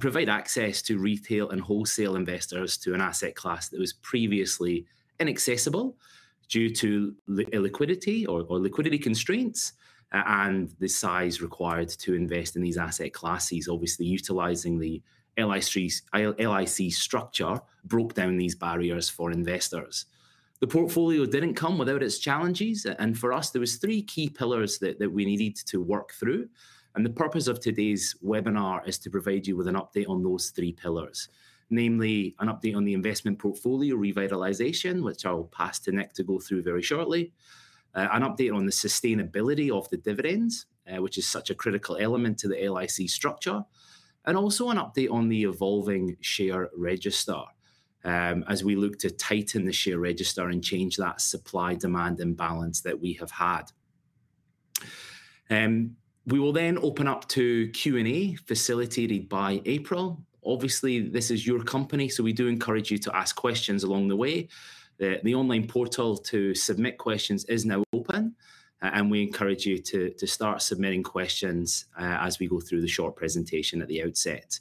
Provide access to retail and wholesale investors to an asset class that was previously inaccessible due to the illiquidity or liquidity constraints and the size required to invest in these asset classes. Obviously, utilizing the LIC structure broke down these barriers for investors. The portfolio didn't come without its challenges and for us there were three key pillars that we needed to work through. The purpose of today's webinar is to provide you with an update on those three pillars, namely, an update on the investment portfolio revitalization, which I'll pass to Nick to go through very shortly, an update on the sustainability of the dividends, which is such a critical element to the LIC structure, and also an update on the evolving share register. As we look to tighten the share register and change that supply demand imbalance that we have had, we will then open up to Q and A, facilitated by April. Obviously this is your company, so we do encourage you to ask questions along the way. The online portal to submit questions is now open and we encourage you to start submitting questions as we go through the short presentation at the outset.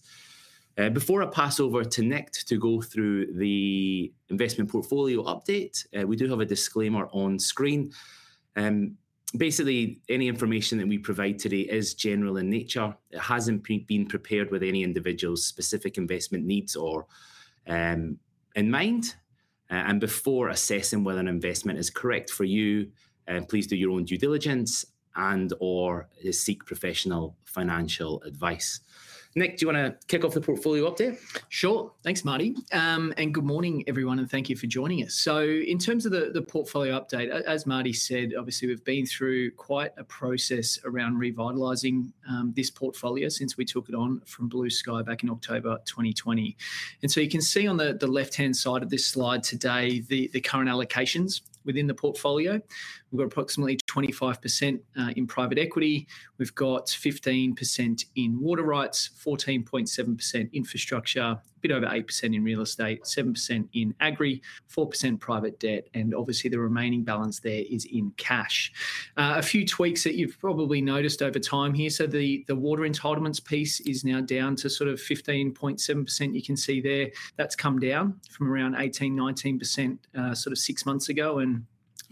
Before I pass over to Nick to go through the investment portfolio update, we do have a disclaimer on screen. Basically any information that we provide today is general in nature. It hasn't been prepared with any individual's specific investment needs or in mind. Before assessing whether an investment is correct for you, please do your own due diligence and or seek professional financial advice. Nick, do you want to kick off the portfolio update? Sure. Thanks Marty, and good morning everyone and thank you for joining us. In terms of the portfolio update, as Marty said, obviously we've been through quite a process around revitalizing this portfolio since we took it on from Blue Sky back in October 2020. You can see on the left hand side of this slide today the current allocations within the portfolio. We've got approximately 25% in private equity, 15% in water rights, 14.7% in infrastructure, a bit over 8% in real estate, 7% in agri, 4% in private debt, and obviously the remaining balance there is in cash. A few tweaks that you've probably noticed over time here: the water entitlements piece is now down to sort of 15.7%. You can see there that's come down from around 18%-19% sort of six months ago and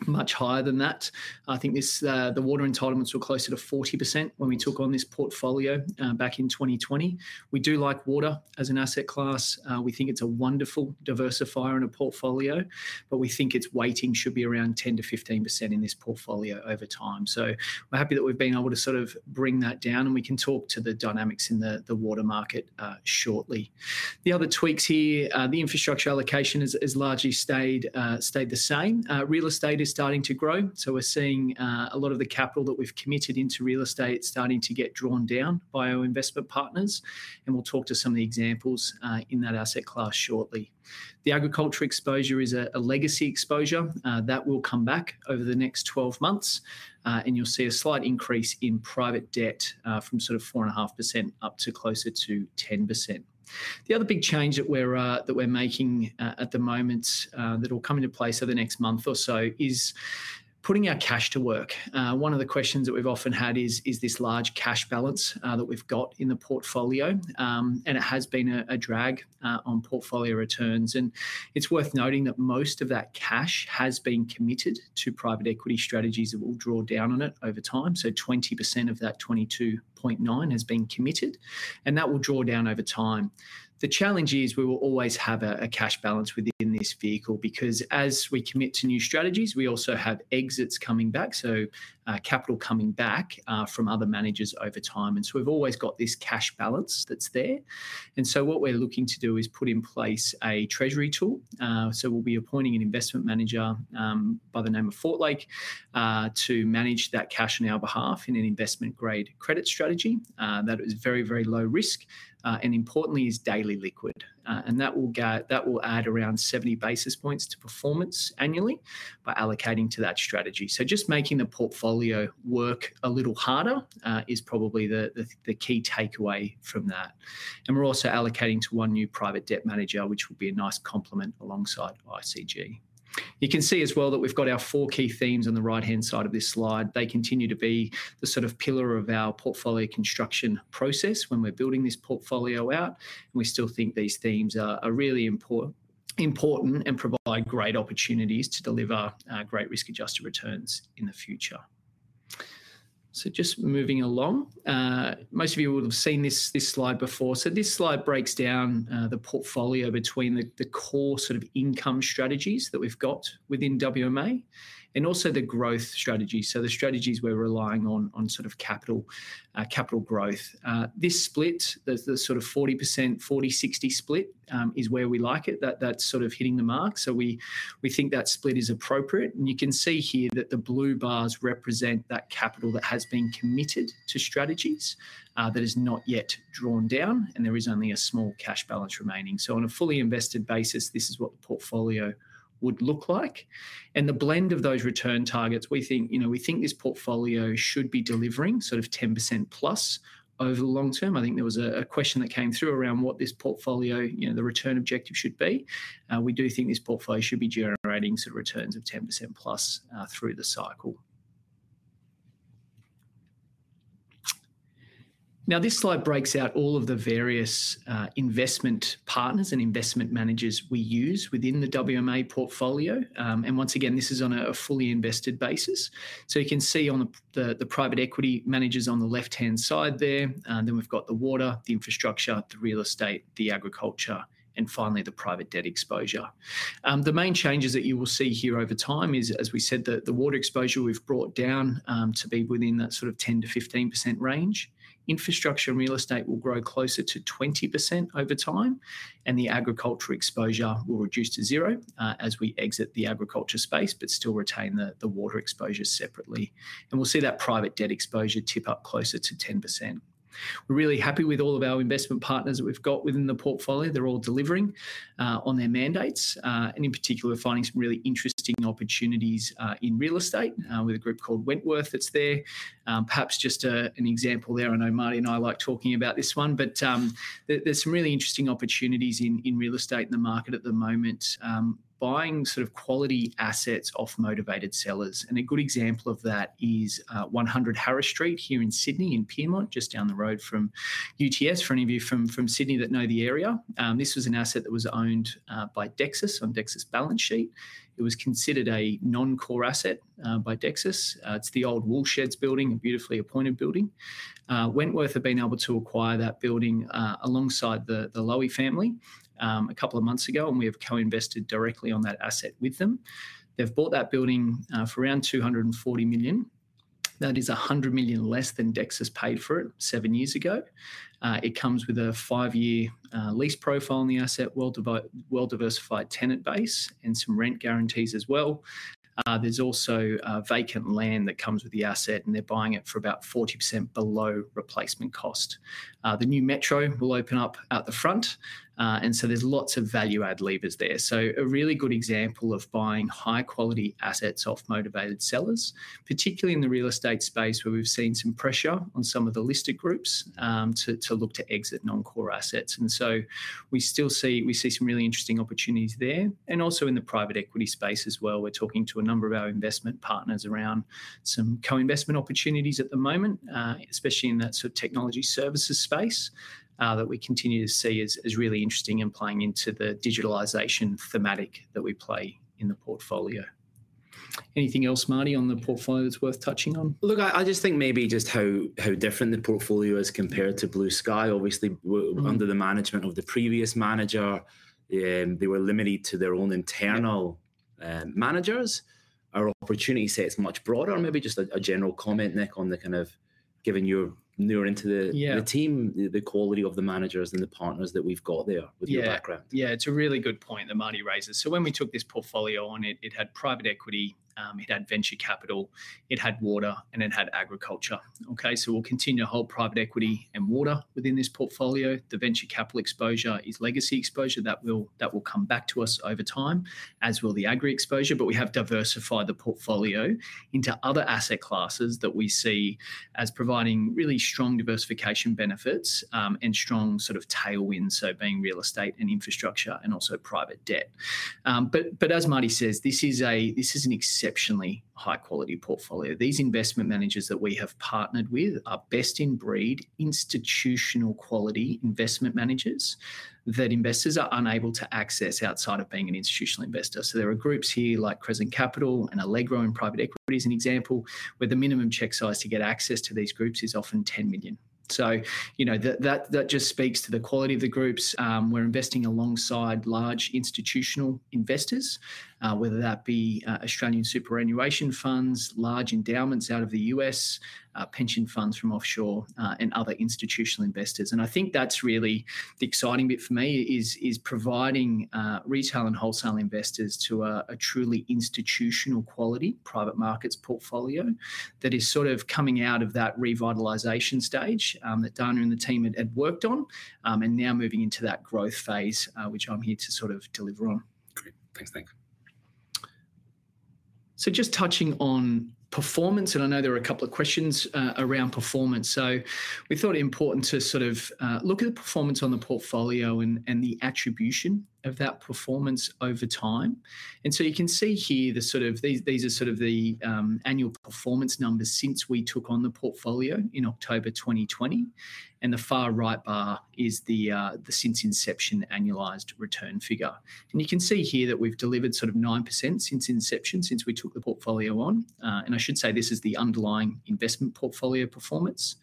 much higher than that. I think the water entitlements were closer to 40% when we took on this portfolio back in 2020. We do like water as an asset class. We think it's a wonderful diversifier in a portfolio, but we think its weighting should be around 10% to 15% in this portfolio over time. We're happy that we've been able to sort of bring that down and we can talk to the dynamics in the water market shortly. The other tweaks here: the infrastructure allocation has largely stayed the same. Real estate is starting to grow, so we're seeing a lot of the capital that we've committed into real estate starting to get drawn down by our investment partners. We'll talk to some of the examples in that asset class shortly. The agriculture exposure is a legacy exposure that will come back over the next 12 months and you'll see a slight increase in private debt from sort of 4.5% up to closer to 10%. The other big change that we're making at the moment that will come into place over the next month or so is putting our cash to work. One of the questions that we've often had is this large cash balance that we've got in the portfolio and it has been a drag on portfolio returns. It's worth noting that most of that cash has been committed to private equity strategies that will draw down on it over time. 20% of that 22.9% has been committed and that will draw down over time. The challenge is we will always have a cash balance within this vehicle because as we commit to new strategies, we also have exits coming back, so capital coming back from other managers over time. We've always got this cash balance that's there. What we're looking to do is put in place a Treasury tool. We'll be appointing an investment manager by the name of Fortlake to manage that cash on our behalf in an investment grade credit strategy that is very, very low risk and importantly is daily liquid. That will add around 70 basis points to performance annually by allocating to that strategy. Just making the portfolio work a little harder is probably the key takeaway from that. We're also allocating to one new private debt manager which will be a nice complement alongside ICG. You can see as well that we've got our four key themes on the right hand side of this slide. They continue to be the sort of pillar of our portfolio construction process. When we're building this portfolio out, we still think these themes are really important and provide great opportunities to deliver great risk adjusted returns in the future. Just moving along, most of you will have seen this slide before. This slide breaks down the portfolio between the core sort of income strategies that we've got within WMA and also the growth strategy, so the strategies we're relying on for capital growth. This split, there's the sort of 40%, 40/60 split, is where we like it, that's sort of hitting the mark. We think that split is appropriate. You can see here that the blue bars represent that capital that has been committed to strategies that is not yet drawn down and there is only a small cash balance remaining. On a fully invested basis this is what the portfolio would look like, and the blend of those return targets. We think this portfolio should be delivering 10%+ over the long term. I think there was a question that came through around what this portfolio, the return objective should be. We do think this portfolio should be generating returns of 10%+ plus through the cycle. This slide breaks out all of the various investment partners and investment managers we use within the WMA portfolio. Once again this is on a fully invested basis. You can see on the private equity managers on the left hand side there. Then we've got the water, the infrastructure, the real estate, the agriculture and finally the private debt exposure. The main changes that you will see here over time is, as we said, that the water exposure we've brought down to be within that sort of 10%-15% range. Infrastructure and real estate will grow closer to 20% over time, and the agricultural exposure will reduce to zero as we exit the agriculture space but still retain the water exposure separately. We'll see that private debt exposure tip up closer to 10%. We're really happy with all of our investment partners that we've got within the portfolio. They're all delivering on their mandates and, in particular, finding some really interesting opportunities in real estate with a group called Wentworth. That's there, perhaps just an example there. I know Marty and I like talking about this one, but there's some really interesting opportunities in real estate in the market at the moment buying sort of quality assets off motivated sellers. A good example of that is 100 Harris Street here in Sydney in Pyrmont, just down the road from UTS, for any of you from Sydney that know the area. This was an asset that was owned by Dexus on Dexus' balance sheet. It was considered a non-core asset by Dexus. It's the old wool sheds building, a beautifully appointed building. Wentworth have been able to acquire that building alongside the Lowy family a couple of months ago, and we have co-invested directly on that asset with them. They've bought that building for around $240 million. That is $100 million less than Dexus paid for it seven years ago. It comes with a five-year lease profile on the asset, well-diversified tenant base, and some rent guarantees as well. There's also vacant land that comes with the asset, and they're buying it for about 40% below replacement cost. The new Metro will open up at the front, and there are lots of value-add levers there. This is a really good example of buying high-quality assets off motivated sellers, particularly in the real estate space where we've seen some pressure on some of the listed groups to look to exit non-core assets. We still see some really interesting opportunities there and also in the private equity space as well. We're talking to a number of our investment partners around some co-investment opportunities at the moment, especially in that sort of technology services space that we continue to see as really interesting and playing into the digitalization thematic that we play in the portfolio. Anything else, Marty, on the portfolio that's worth touching on? I just think maybe just how different the portfolio is compared to Blue Sky. Obviously, under the management of the previous manager, they were limited to their own internal managers. Our opportunity set's much broader. Maybe just a general comment, Nick, on the kind of, given you're near into the team, the quality of the managers and the partners that we've got there with the background. Yeah, it's a really good point that Marty raises. When we took this portfolio on, it had private equity, it had venture capital, it had water, and it had agriculture. We'll continue to hold private equity and water within this portfolio. The venture capital exposure is legacy exposure that will come back to us over time, as will the agri exposure. We have diversified the portfolio into other asset classes that we see as providing really strong diversification benefits and strong sort of tailwinds, being real estate and infrastructure and also private debt. As Marty says, this is an exceptionally high quality portfolio. These investment managers that we have partnered with are best in breed institutional-quality investment managers that investors are unable to access outside of being an institutional investor. There are groups here like Crescent Capital and Allegro in private equity as an example, where the minimum check size to get access to these groups is often $10 million. That just speaks to the quality of the groups we're investing alongside large institutional investors, whether that be Australian superannuation funds, large endowments out of the U.S., pension funds from offshore, and other institutional investors. I think that's really the exciting bit for me, providing retail and wholesale investors to a truly institutional-quality private markets portfolio that is sort of coming out of that revitalization stage that Dania and the team had worked on and now moving into that growth phase, which I'm here to sort of deliver on. Great. Thanks, Nick. Just touching on performance, and I know there are a couple of questions around performance, so we thought it important to look at the performance on the portfolio and the attribution of that performance over time. You can see here these are the annual performance numbers since we took on the portfolio in October 2020. The far right bar is the since inception annualized return figure. You can see here that we've delivered 9% since inception since we took the portfolio on. I should say this is the underlying investment portfolio performance.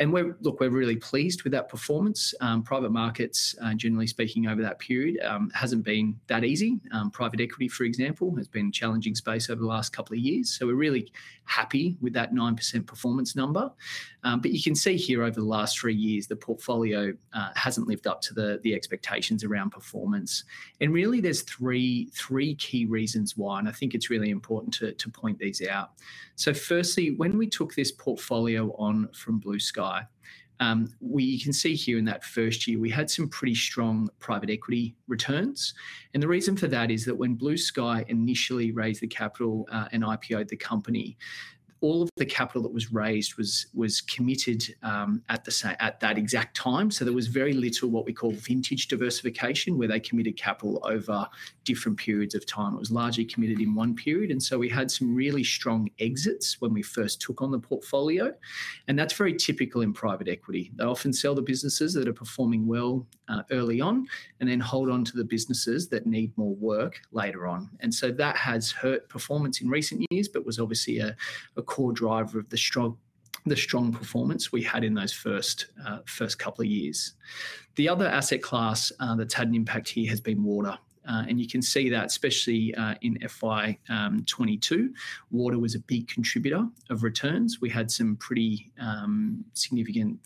We're really pleased with that performance. Private markets, generally speaking, over that period hasn't been that easy. Private equity, for example, has been a challenging space over the last couple of years. We're really happy with that 9% performance number. You can see here, over the last three years, the portfolio hasn't lived up to the expectations around performance. There are three key reasons why, and I think it's really important to point these out. Firstly, when we took this portfolio on from Blue Sky, you can see here in that first year, we had some pretty strong private equity returns. The reason for that is that when Blue Sky initially raised the capital and IPO'd the company, all of the capital that was raised was committed at that exact time. There was very little vintage diversification where they committed capital over different periods of time. It was largely committed in one period. We had some really strong exits when we first took on the portfolio. That's very typical in private equity. They often sell the businesses that are performing well early on and then hold on to the businesses that need more work later on. That has hurt performance in recent years, but was obviously a core driver of the strong performance we had in those first couple of years. The other asset class that's had an impact here has been water. You can see that especially in FY 2022, water was a big contributor of returns. We had some pretty significant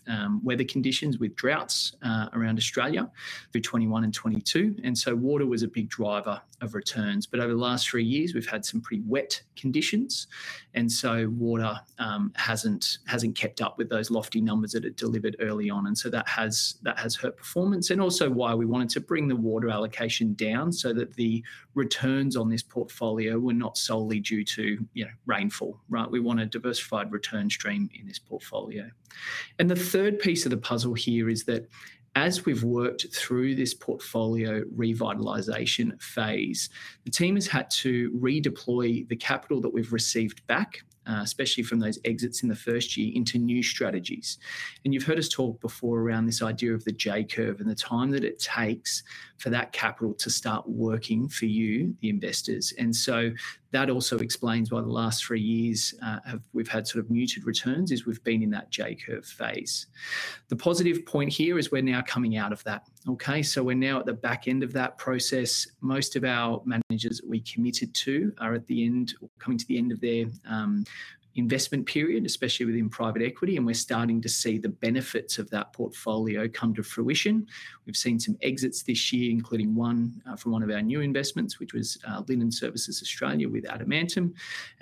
weather conditions with droughts around Australia through 2021 and 2022. Water was a big driver of returns. Over the last three years we've had some pretty wet conditions, and water hasn't kept up with those lofty numbers that it delivered early on. That has hurt performance. Also, why we want to bring the water allocation down is so that the returns on this portfolio were not solely due to, you know, rainfall. Right. We want a diversified return stream in this portfolio. The third piece of the puzzle here is that as we've worked through this portfolio revitalization phase, the team has had to redeploy the capital that we've received back, especially from those exits in the first year, into new strategies. You've heard us talk before around this idea of the J curve and the time that it takes for that capital to start working for you, the investors. That also explains why the last three years we've had sort of muted returns, as we've been in that J curve phase. The positive point here is we're now coming out of that. We're now at the back end of that process. Most of our managers that we committed to are at the end, coming to the end of their investment period, especially within private equity. We're starting to see the benefits of that portfolio come to fruition. We've seen some exits this year, including one from one of our new investments, which was Linen Services Australia with Adamantem.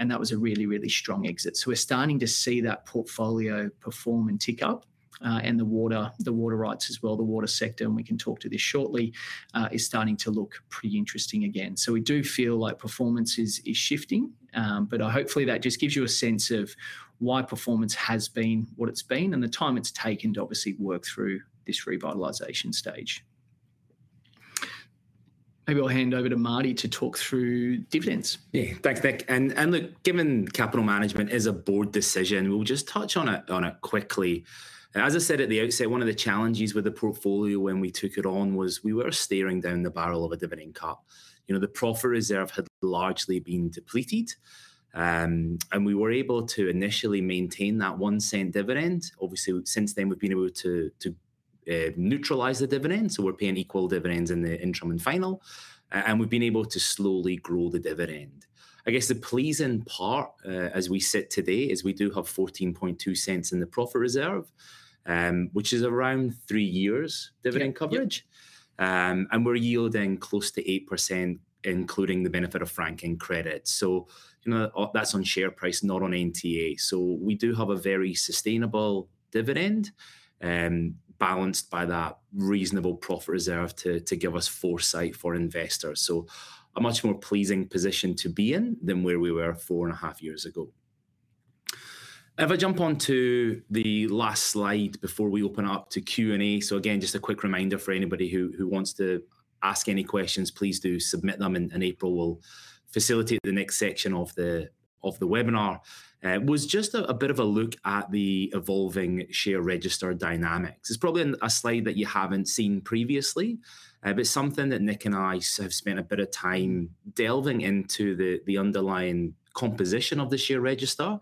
That was a really, really strong exit. We're starting to see that portfolio perform and tick up. The water, the water rights as well, the water sector, and we can talk to this shortly, is starting to look pretty interesting again. We do feel like performance is shifting, but hopefully that just gives you a sense of why performance has been what it's been and the time it's taken to obviously work through this revitalization stage. Maybe I'll hand over to Marty to talk through dividends. Yeah, thanks, Nick. Given capital management is a board decision, we'll just touch on it quickly. As I said at the outset, one of the challenges with the portfolio when we took it on was we were staring down the barrel of a dividend cap. The profit reserve had largely been depleted and we were able to initially maintain that $0.01 dividend. Obviously, since then we've been able to grow, neutralize the dividend. We're paying equal dividends in the interim and final, and we've been able to slowly grow the dividend. I guess the pleasing part as we sit today is we do have $0.142 in the profit reserve, which is around three years dividend coverage. We're yielding close to 8%, including the benefit of franking credits. That's on share price, not on NTA. We do have a very sustainable dividend balanced by that reasonable profit reserve to give us foresight for investors. A much more pleasing position to be in than where we were four and a half years ago. If I jump onto the last slide before we open up to Q and A, just a quick reminder for anybody who wants to ask any questions, please do submit them and April will facilitate. The next section of the webinar was just a bit of a look at the evolving share register dynamics. It's probably a slide that you haven't seen previously, but something that Nick and I have spent a bit of time delving into the underlying composition of the share register.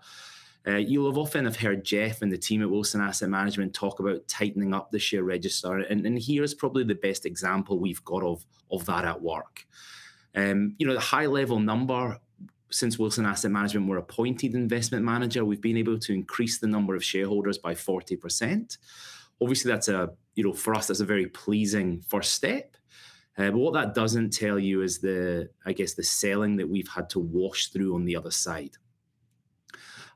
You'll have often heard Geoff and the team at Wilson Asset Management talk about tightening up the share register and here's probably the best example we've got of that at work. The high level number: since Wilson Asset Management were appointed investment manager, we've been able to increase the number of shareholders by 40%. For us that's a very pleasing first step. What that doesn't tell you is the selling that we've had to wash through on the other side.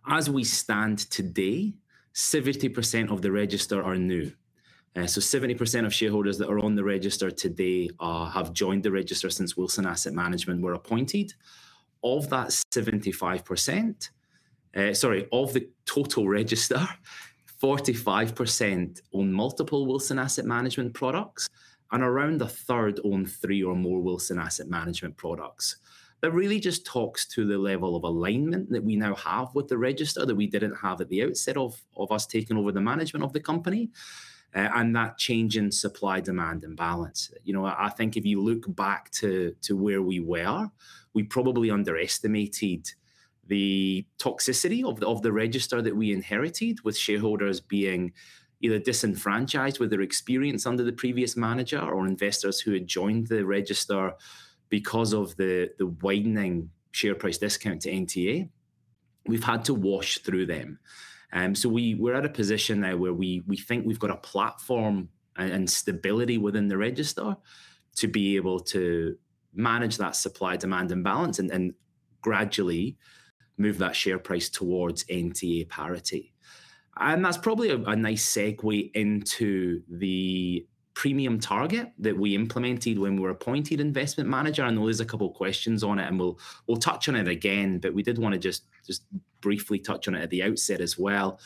As we stand today, 70% of the register are new. So 70% of shareholders that are on the register today have joined the register since Wilson Asset Management were appointed. Of the total register, 45% own multiple Wilson Asset Management products and around 1/3 own three or more Wilson Asset Management products. That really just talks to the level of alignment that we now have with the register that we didn't have at the outset of us taking over the management of the company and that change in supply-demand imbalance. I think if you look back to where we were, we probably underestimated the toxicity of the register that we inherited, with shareholders being either disenfranchised with their experience under the previous manager or investors who had joined the register because of the widening share price discount to NTA. We've had to wash through them. We're at a position now where we think we've got a platform and stability within the register to be able to manage that supply-demand imbalance and gradually move that share price towards NTA parity. That's probably a nice segue into the premium target that we implemented when we were appointed investment manager. I know there's a couple questions on it and we'll touch on it again. We did want to just briefly touch on it at the outset as well.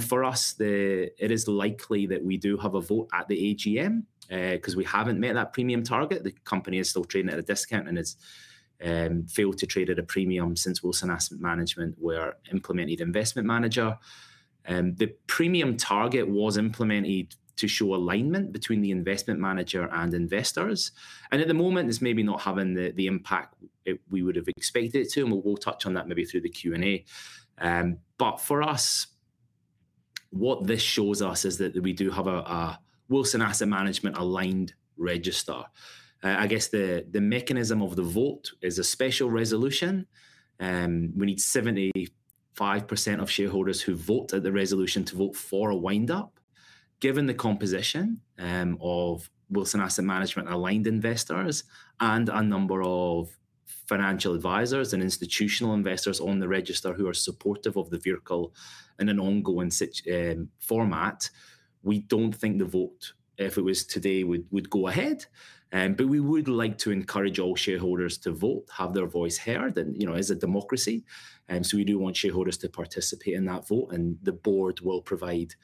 For us, it is likely that we do have a vote at the AGM because we haven't met that premium target. The company is still trading at a discount and has failed to trade at a premium since Wilson Asset Management were implemented investment manager. The premium target was implemented to show alignment between the investment manager and investors. At the moment it's maybe not having the impact we would have expected to and we'll touch on that maybe through the Q and A. For us, what this shows us is that we do have a Wilson Asset Management aligned register. I guess the mechanism of the vote is a special resolution. We need 75% of shareholders who vote at the resolution to vote for a wind up. Given the composition of Wilson Asset Management aligned investors and a number of financial advisors and institutional investors on the register who are supportive of the vehicle in an ongoing format, we don't think the vote, if it was today, would go ahead. We would like to encourage all shareholders to vote, have their voice heard, and you know, as a democracy. We do want shareholders to participate in that vote and the board will provide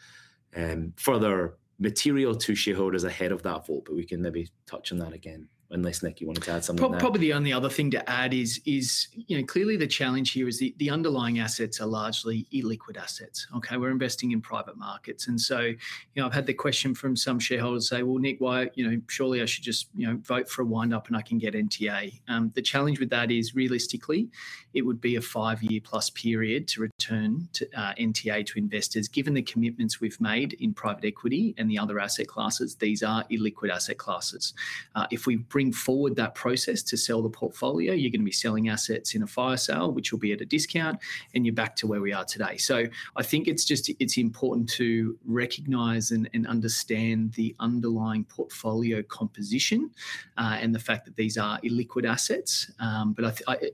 further material to shareholders ahead of that vote. We can maybe touch on that again unless, Nick, you wanted to add something. Probably the only other thing to add is clearly the challenge here is the underlying assets are largely illiquid assets. We're investing in private markets and I've had the question from some shareholders, say, Nick, why, surely I should just vote for a wind up and I can get NTA. The challenge with that is realistically it would be a 5+ year period to return NTA to investors, given the commitments we've made in private equity and the other asset classes. These are illiquid asset classes. If we bring forward that process to sell the portfolio, you're going to be selling assets in a fire sale, which will be at a discount, and you're back to where we are today. I think it's just important to recognize and understand the underlying portfolio composition and the fact that these are illiquid assets.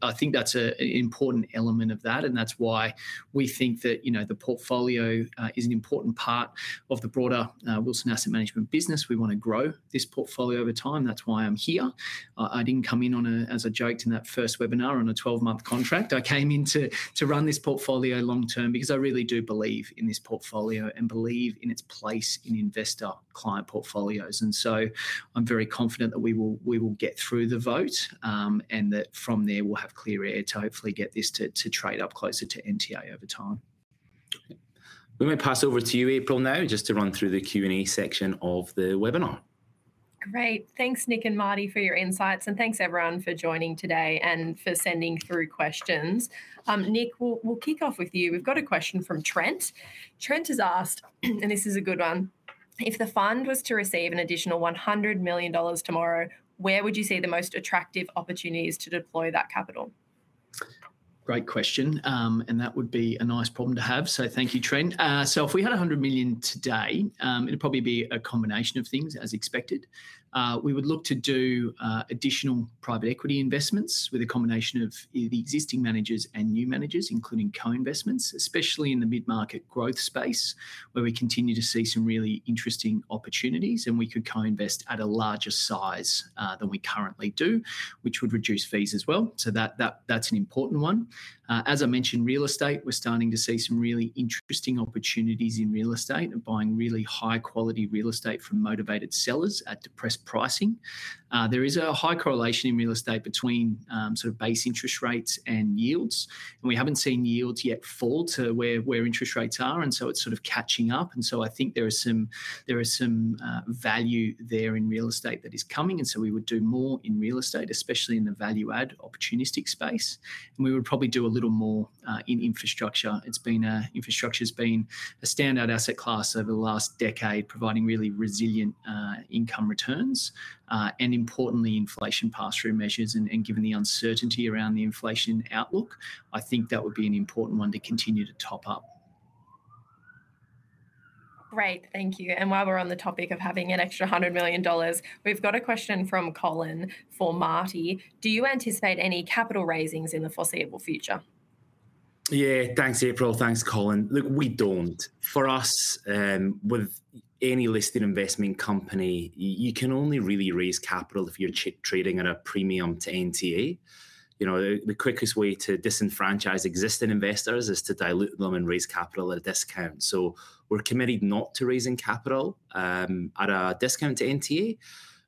I think that's an important element of that and that's why we think that the portfolio is an important part of the broader Wilson Asset Management business. We want to grow this portfolio over time. That's why I'm here. I didn't come in on, as I joked in that first webinar, on a 12 month contract. I came in to run this portfolio long term because I really do believe in this portfolio and believe in its place in investor client portfolios. I'm very confident that we will get through the vote and that from there we'll have clear air to hopefully get this to trade up closer to NTA over time. We may pass over to you, April. Now just to run through the Q and A section of the webinar. Great. Thanks Nick and Marty for your insights, and thanks everyone for joining today and for sending through questions. Nick, we'll kick off with you. We've got a question from Trent. Trent has asked, and this is a good one, if the fund was to receive an additional $100 million tomorrow, where would you see the most attractive opportunities to deploy that capital? Great question and that would be a nice problem to have. Thank you, Trent. If we had $100 million today, it'd probably be a combination of things. As expected, we would look to do additional private equity investments with a combination of the existing managers and new managers, including co-investments, especially in the mid-market growth space where we continue to see some really interesting opportunities and we could co-invest at a larger size than we currently do, which would reduce fees as well. That's an important one. As I mentioned, real estate, we're starting to see some really interesting opportunities in real estate and buying really high-quality real estate from motivated sellers at depressed pricing. There is a high correlation in real estate between base interest rates and yields, and we haven't seen yields yet fall to where interest rates are, so it's catching up. I think there is some value there in real estate that is coming. We would do more in real estate, especially in the value-add opportunistic space, and we would probably do a little more in infrastructure. Infrastructure has been a standout asset class over the last decade, providing really resilient income returns and importantly, inflation pass-through measures. Given the uncertainty around the inflation outlook, I think that would be an important one to continue to top up. Great, thank you. While we're on the topic of having an extra $100 million, we've got a question from Colin for Marty. Do you anticipate any capital raisings in the foreseeable future? Yeah. Thanks April. Thanks Colin. Look, for us with any listed investment company you can only really raise capital if you're trading at a premium to NTA. The quickest way to disenfranchise existing investors is to dilute them and raise capital at a discount. We're committed not to raising capital at a discount to NTA.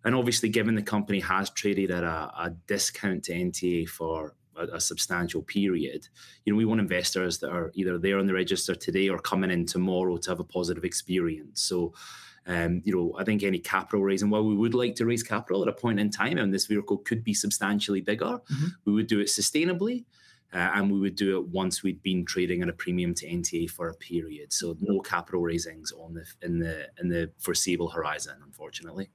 Obviously, given the company has traded at a discount to NTA for a substantial period, we want investors that are either there on the register today or coming in tomorrow to have a positive experience. I think any capital raising, while we would like to raise capital at a point in time and this vehicle could be substantially bigger, we would do it sustainably and we would do it once we'd been trading at a premium to NTA for a period. No capital raisings in the foreseeable horizon, unfortunately.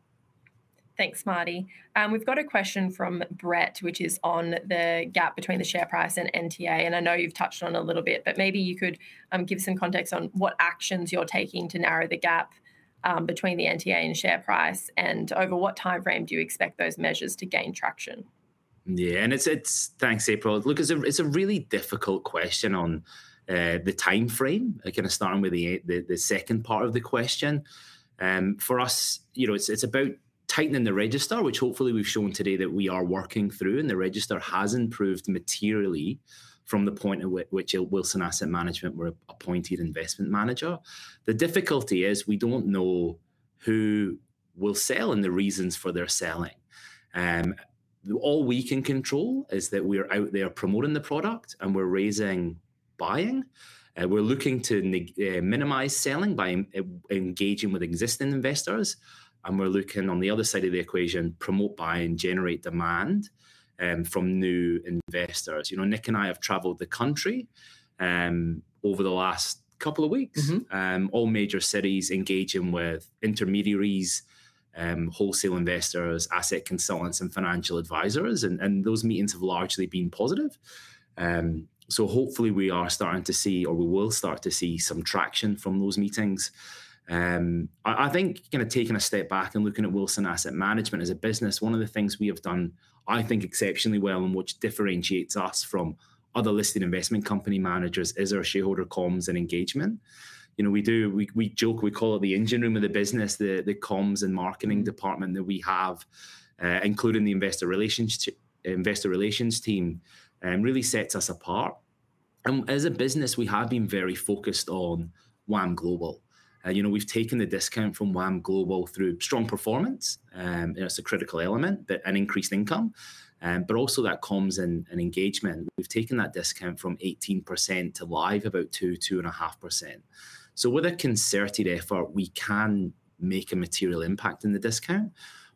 Thanks, Marty. We've got a question from Brett which is on the gap between the share price and NTA. I know you've touched on a little bit, but maybe you could give some context on what actions you're taking to narrow the gap between the NTA and share price. Over what time frame do you expect those measures to gain traction? Yeah, and it's, it's. Thanks, April. Look, it's a really difficult question on the time frame. Kind of starting with the second part of the question. For us, it's about tightening the register, which hopefully we've shown today that we are working through. The register has improved materially from the point at which Wilson Asset Management were appointed investment manager. The difficulty is we don't know who will sell and the reasons for their selling. All we can control is that we are out there promoting the product and we're raising, buying. We're looking to minimize selling by engaging with existing investors. We're looking on the other side of the equation. Promote, buy and generate demand from new investors. Nick and I have traveled the country over the last couple of weeks, all major cities engaging with intermediaries, wholesale investors, asset consultants and financial advisors. Those meetings have largely been positive. Hopefully we are starting to see, or we will start to see, some traction from those meetings. I think kind of taking a step back and looking at Wilson Asset Management as a business, one of the things we have done I think exceptionally well and which differentiates us from other listed investment company managers is our shareholder comms and engagement. We joke, we call it the engine room of the business. The comms and marketing department that we have, including the investor relations team, really sets us apart. As a business, we have been very focused on WAM Global. We've taken the discount from WAM Global through strong performance. It's a critical element and increased income. That comes in engagement. We've taken that discount from 18% to about 2.2%-2.5%. With a concerted effort, we can make a material impact in the discount.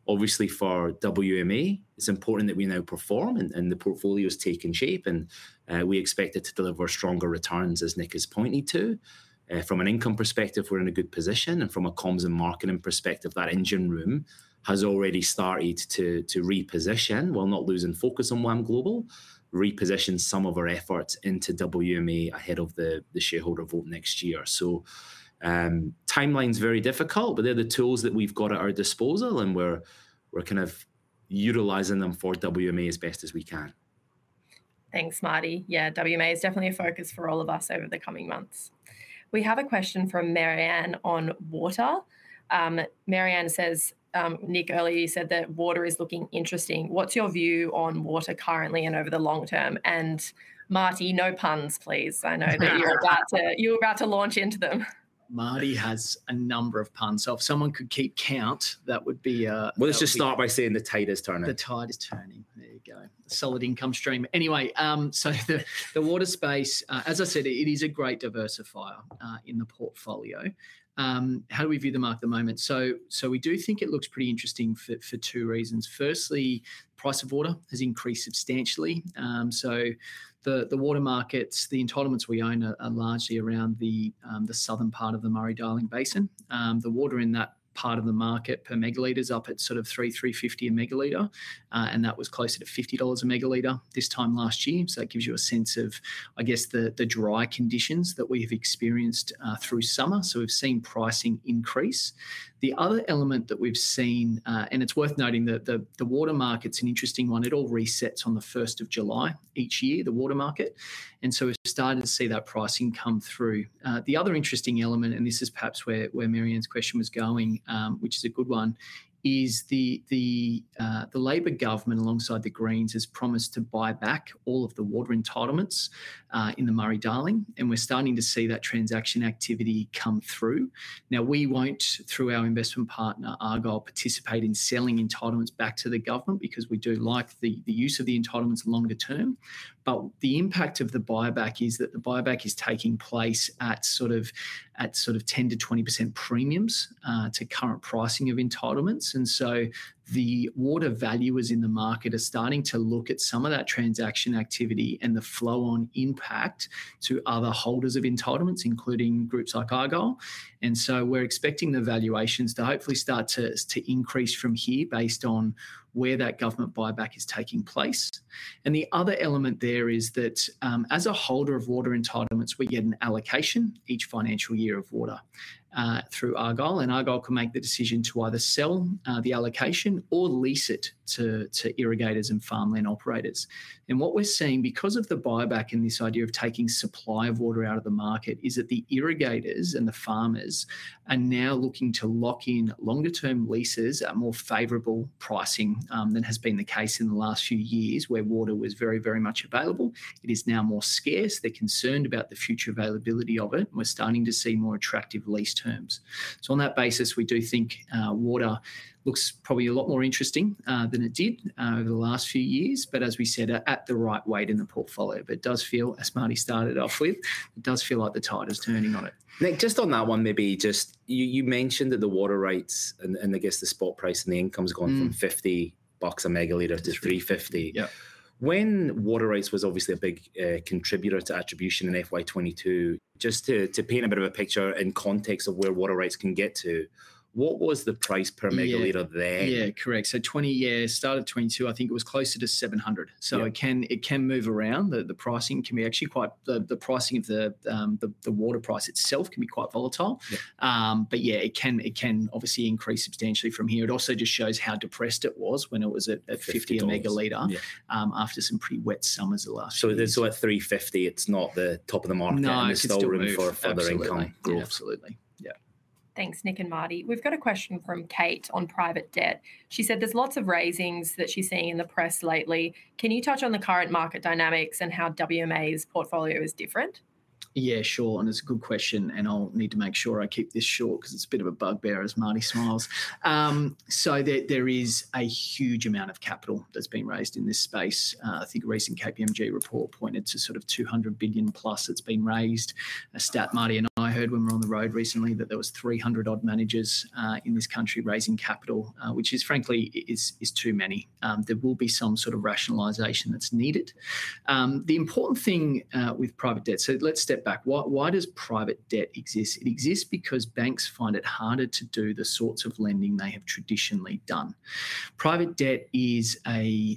Obviously, for WMA, it's important that we now perform and the portfolio has taken shape and we expect it to deliver stronger returns, as Nick is pointing to. From an income perspective, we're in a good position. From a comms and marketing perspective, that engine room has already started to reposition, while not losing focus on WAM Global, some of our efforts into WMA ahead of the shareholder vote next year. Timeline's very difficult, but they're the tools that we've got at our disposal and we're kind of utilizing them for WMA as best as we can. Thanks, Marty. Yeah, WMA is definitely a focus for all of us over the coming months. We have a question from Marianne on water. Marianne says, Nick, earlier you said that water is looking interesting. What's your view on water currently and over the long term? Marty, no puns, please. I know that you're about to. You're about to launch into them. Marty has a number of puns, so if someone could keep count, that would be. Let's just start by saying the tightest turning. The tide is turning. There you go. Solid income stream. Anyway, the water space, as I said, is a great diversifier in the portfolio. How do we view the market at the moment? We do think it looks pretty interesting for two reasons. Firstly, price of water has increased substantially. The water markets, the entitlements we own, are largely around the southern part of the Murray Darling Basin. The water in that part of the market per megaliter is up at sort of [$350] a megaliter, and that was closer to $50 a megaliter this time last year. It gives you a sense of, I guess, the dry conditions that we have experienced through summer. We've seen pricing increase. The other element we've seen, and it's worth noting that the water market's an interesting one. It all resets on the 1st of July each year, the water market. We've started to see that pricing come through. The other interesting element, and this is perhaps where Marianne's question, which is a good one, is the labor government alongside the Greens has promised to buy back all of the water entitlements in the Murray Darling, and we're starting to see that transaction activity come through. We won't, through our investment partner Argyle, participate in selling entitlements back to the government, because we do like the use of the entitlements longer term. The impact of the buyback is that the buyback is taking place at sort of 10%-20% premiums to current pricing of entitlements. The water valuers in the market are starting to look at some of that transaction activity and the flow-on impact to other holders of entitlements, including groups like Argyle. We're expecting the valuations to hopefully start to increase from here based on where that government buyback is taking place. The other element there is that as a holder of water entitlements, we get an allocation each financial year of water through Argyle and Argyle can make the decision to either sell the allocation or lease it to irrigators and farmland operators. What we're seeing because of the buyback and this idea of taking supply of water out of the market is that the irrigators and the farmers are now looking to lock in longer term leases at more favorable pricing than has been the case in the last few years. Where water was very, very much available, it is now more scarce. They're concerned about the future availability of it and we're starting to see more attractive lease terms. On that basis, we do think water looks probably a lot more interesting than it did over the last few years, but as we said, at the right weight in the portfolio. It does feel, as Marty started off with, it does feel like the tide is turning on it. Nick, just on that one, you mentioned the water rights and I guess the spot price and the income's gone from $50 a megalitre to $350, when water rights was obviously a big contributor to attribution in FY 2022. Just to paint a bit of a picture in context of where water rights can get to, what was the price per megalitre there? Yeah, correct. Twenty years, start of 2022, I think it was closer to $700. It can move around. The pricing can be actually quite, the pricing of the water price itself can be quite volatile. It can obviously increase substantially from here. It also just shows how depressed it was when it was at $50 a megalitre after some pretty wet summers last year. There's a $350. It's not the top of the market. No, there's still room for further income. Absolutely, yeah. Thanks, Nick. Marty, we've got a question from Kate on private debt. She said there's lots of raisings that she's seeing in the press lately. Can you touch on the current market dynamics and how WMA's portfolio is different? Yeah, sure. It's a good question and I'll need to make sure I keep this short because it's a bit of a bugbear as Marty smiles. There is a huge amount of capital that's being raised in this space. I think a recent KPMG report pointed to sort of $200+ billion that's been raised. Marty and I heard when we're on the road recently that there were 300 odd managers in this country raising capital, which frankly is too many. There will be some sort of rationalization that's needed. The important thing with private debt, let's step back. Why does private debt exist? It exists because banks find it harder to do the sorts of lending they have traditionally done. Private debt is an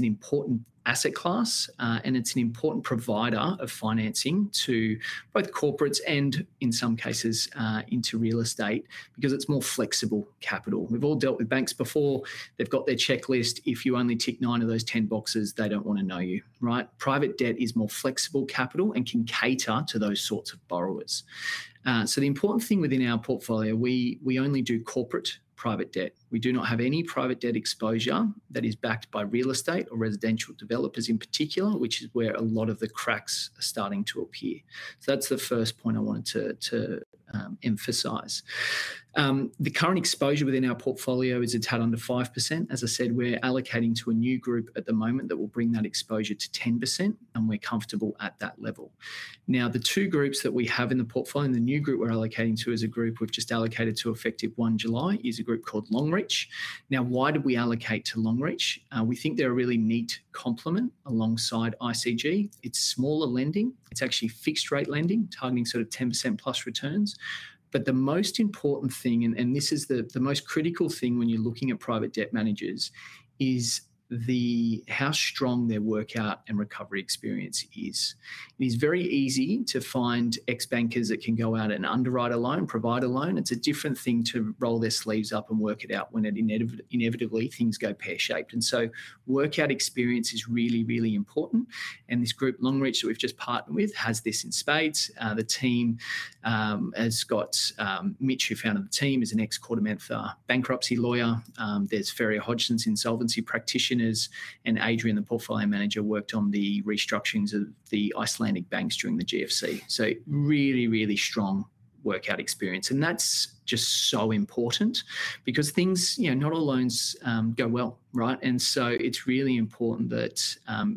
important asset class and it's an important provider of financing to both corporates and in some cases into real estate because it's more flexible capital. We've all dealt with banks before. They've got their checklist. If you only tick nine of those 10 boxes, they don't want to know you. Private debt is more flexible capital and can cater to those sorts of borrowers. The important thing within our portfolio, we only do corporate private debt. We do not have any private debt exposure that is backed by real estate or residential developers in particular, which is where a lot of the cracks are starting to appear. That's the first point I wanted to emphasize. The current exposure within our portfolio is a tad under 5%. As I said, we're allocating to a new group at the moment that will bring that exposure to 10% and we're comfortable at that level. Now, the two groups that we have in the portfolio and the new group we're allocating to, as a group we've just allocated to effective 1 July, is a group called Longreach. Why did we allocate to Longreach? We think they're a really neat complement alongside ICG. It's smaller lending, it's actually fixed rate lending targeting sort of 10%+ returns. The most important thing, and this is the most critical thing when you're looking at private debt managers, is how strong their workout and recovery experience is. It is very easy to find ex-bankers that can go out and underwrite a loan, provide a loan. It's a different thing to roll their sleeves up and work it out when inevitably things go pear shaped and so workout experience is really, really important. This group Longreach that we've just partnered with has this in SP. The team, has got Mitch who founded the team, is an ex quartermanth bankruptcy lawyer. There's Farrier Hodgson's insolvency practitioners, and Adrian, the Portfolio Manager, worked on the restructurings of the Icelandic banks during the GFC. Really, really strong workout experience, and that's just so important because things, you know, not all loans go well, right? It's really important that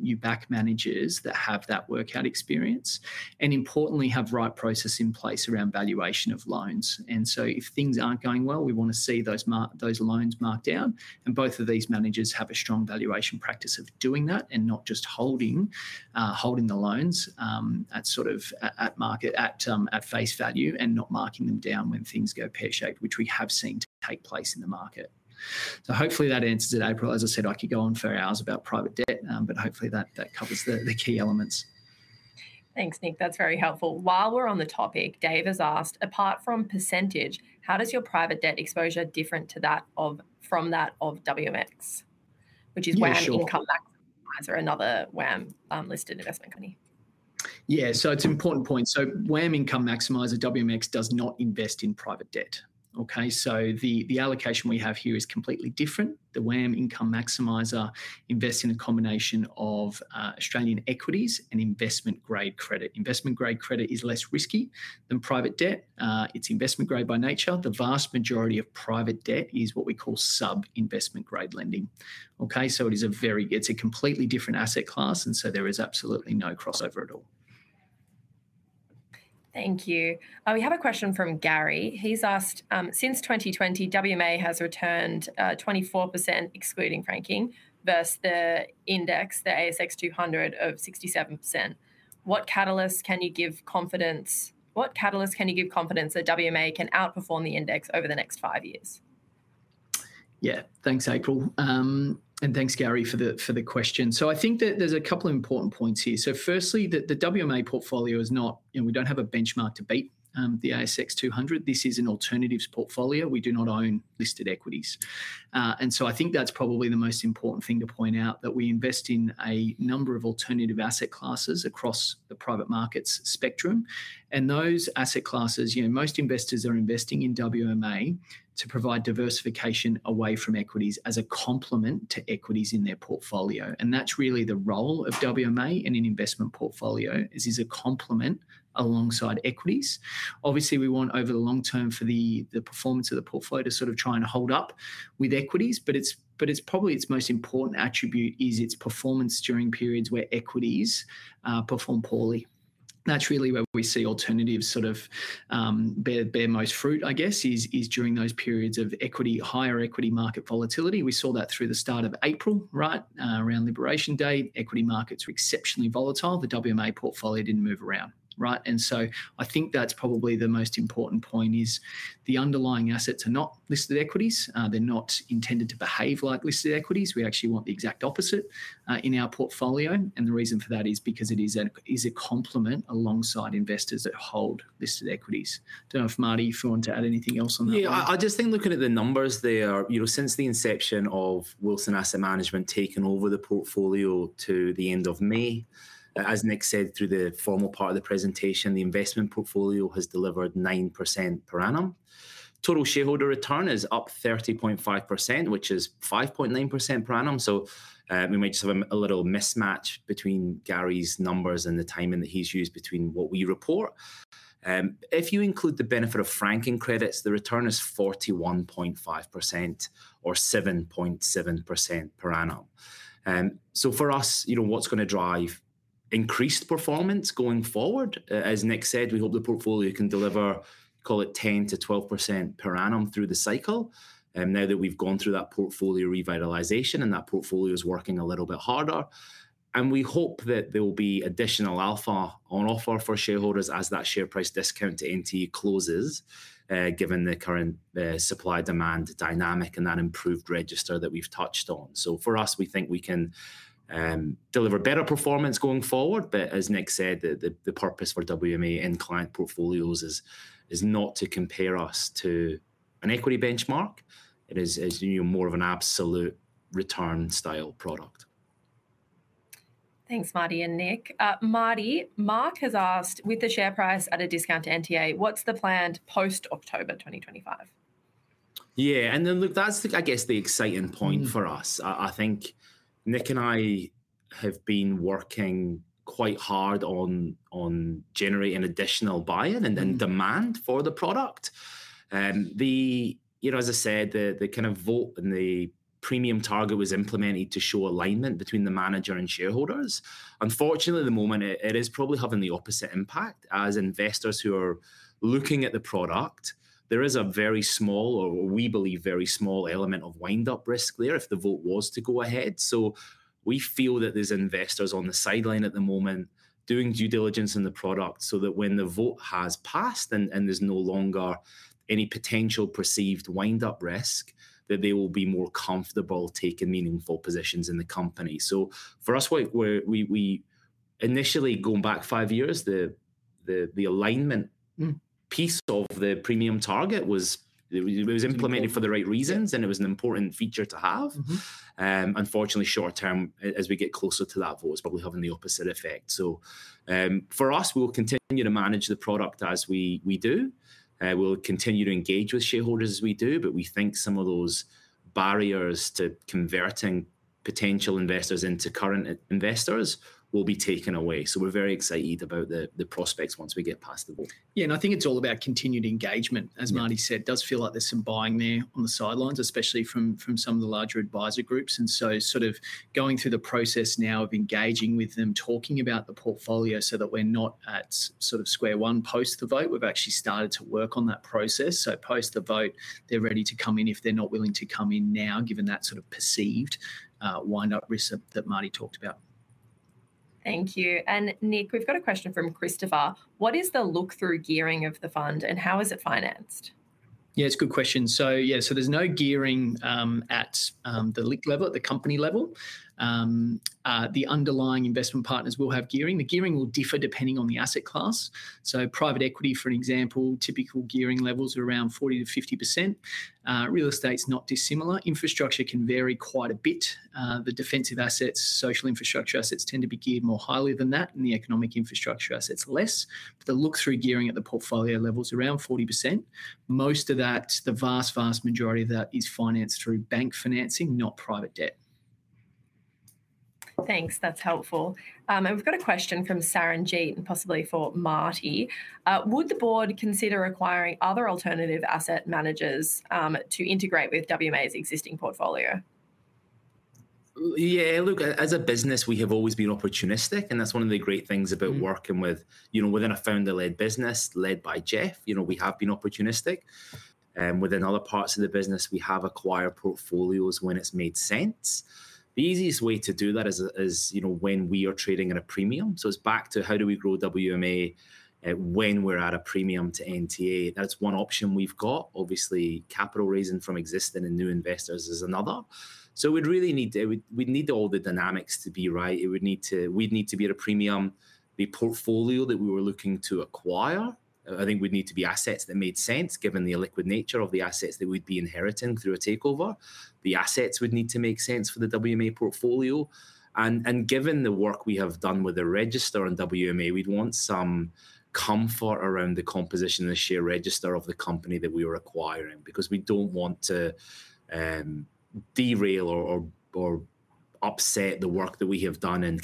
you back managers that have that workout experience and, importantly, have the right process in place around valuation of loans. If things aren't going well, we want to see those loans marked down, and both of these managers have a strong valuation practice of doing that and not just holding the loans at market, at face value, and not marking them down when things go pear-shaped, which we have seen take place in the market. Hopefully that answers it. April, as I said, I could go on for hours about private debt, but hopefully that covers the key elements. Thanks Nick, that's very helpful. While we're on the topic, Dave has asked apart from percentage, how does your private debt exposure differ from that of WMX, which is WAM Income, another WAM listed investment company? Yeah, it's an important point. WAM Income Maximiser, WMX, does not invest in private debt. The allocation we have here is completely different. The WAM Income Maximiser invests in a combination of Australian equities and investment grade credit. Investment grade credit is less risky than private debt. It's investment grade by nature. The vast majority of private debt is what we call sub investment grade lending. It is a completely different asset class and there is absolutely no crossover at all. Thank you. We have a question from Gary. He's asked since 2020 WMA has returned 24% excluding franking versus the index, the ASX 200 of 67%. What catalysts can you give confidence? What catalyst can you give confidence that WMA can outperform the index over the next five years? Yeah, thanks April and thanks Gary for the question. I think that there's a couple of important points here. Firstly, the WMA portfolio is not and we don't have a benchmark to beat the ASX 200. This is an alternatives portfolio. We do not own listed equities. I think that's probably the most important thing to point out. We invest in a number of alternative asset classes across the private markets spectrum. Those asset classes, most investors are investing in WMA to provide diversification away from equities as a complement to equities in their portfolio. That's really the role of WMA in an investment portfolio, as a complement alongside equities. Obviously, we want over the long term for the performance of the portfolio to sort of try and hold up with equity, but it's probably its most important attribute is its performance during periods where equities perform poorly. That's really where we see alternatives sort of bear most fruit, I guess, is during those periods of higher equity market volatility. We saw that through the start of April, right around Liberation Day, equity markets were exceptionally volatile. The WMA portfolio didn't move around. I think that's probably the most important point, the underlying assets are not listed equities. They're not intended to behave like listed equities. We actually want the exact opposite in our portfolio. The reason for that is because it is a complement alongside investors that hold listed equities. Don't know if Marty, if you want to add anything else on that. Yeah, I just think looking at the numbers there, since the inception of Wilson Asset Management taking over the portfolio to the end of May, as Nick said, through the formal part of the presentation, the investment portfolio has delivered 9% per annum. Total shareholder return is up 30.5%, which is 5.9% per annum. We might just have a little mismatch between Gary's numbers and the timing that he's used between what we report. If you include the benefit of franking credits, the return is 41.5% or 7.7% per annum. For us, what's going to drive increased performance going forward? As Nick said, we hope the portfolio can deliver, call it 10%-12% per annum through the cycle now that we've gone through that portfolio revitalization and that portfolio is working a little bit harder. We hope that there will be additional alpha on offer for shareholders as that share price discount to NTA closes, given the current supply demand dynamic and that improved register that we've touched on. For us, we think we can deliver better performance going forward. As Nick said, the purpose for WMA in client portfolios is not to compare us to an equity benchmark. It is more of an absolute return style product. Thanks, Marty. And Nick. Marty, Mark has asked, with the share price at a discount to NTA, what's the planned post October 2025. Yeah. That's, I guess, the exciting point for us. I think Nick and I have been working quite hard on generating additional buy-in and demand for the product. As I said, the kind of vote and the premium target was implemented to show alignment between the manager and shareholders. Unfortunately, at the moment it is probably having the opposite impact as investors who are looking at the product. There is a very small, or we believe very small, element of wind up risk there if the vote was to go ahead. We feel that there's investors on the sideline at the moment doing due diligence in the product so that when the vote has passed and there's no longer any potential perceived wind up risk, they will be more comfortable taking meaningful positions in the company. For us, initially going back five years, the alignment piece of the premium target was implemented for the right reasons and it was an important feature to have. Unfortunately, short term, as we get closer to that vote, it's probably having the opposite effect. For us, we'll continue to manage the product as we do, we'll continue to engage with shareholders as we do, but we think some of those barriers to converting potential investors into current investors will be taken away. We're very excited about the prospects once we get past them. Yeah, I think it's all about continued engagement as Marty said. It does feel like there's some buying there on the sidelines, especially from some of the larger advisor groups, and going through the process now of engaging with them, talking about the portfolio so that we're not at square one post the vote. We've actually started to work on that process. Post the vote, they're ready to come in if they're not willing to come in now given that perceived wind up risk that Marty talked about. Thank you. Nick, we've got a question from Christopher. What is the look through gearing of the fund and how is it financed? Yes, good question. There's no gearing at the company level. The underlying investment partners will have gearing. The gearing will differ depending on the asset class. Private equity, for example, typical gearing levels are around 40%-50%. Real estate's not dissimilar. Infrastructure can vary quite a bit. The defensive assets, social infrastructure assets tend to be geared more highly than that, and the economic infrastructure assets less. The look through gearing at the portfolio level is around 40%. Most of that, the vast, vast majority of that is financed through bank financing, not private debt. Thanks, that's helpful. We've got a question from Saranjeet, possibly for Marty. Would the board consider acquiring other alternative asset managers to integrate with WMA's existing portfolio? Yeah, look, as a business we have always been opportunistic and that's one of the great things about working with, you know, we're going to found a lead business led by Geoff. We have been opportunistic and within other parts of the business we have acquired portfolios when it's made sense. The easiest way to do that is when we are trading at a premium. It's back to how do we grow WMA when we're at a premium to NTA. That's one option we've got. Obviously capital raising from existing and new investors is another. We'd need all the dynamics to be right. We'd need to be at a premium. The portfolio that we were looking to acquire, I think, would need to be assets that made sense given the illiquid nature of the assets that we'd be inheriting through a takeover. The assets would need to make sense for the WMA portfolio. Given the work we have done with the register on WMA, we'd want some comfort around the composition, the share register of the company that we were acquiring because we don't want to derail or upset the work that we have done in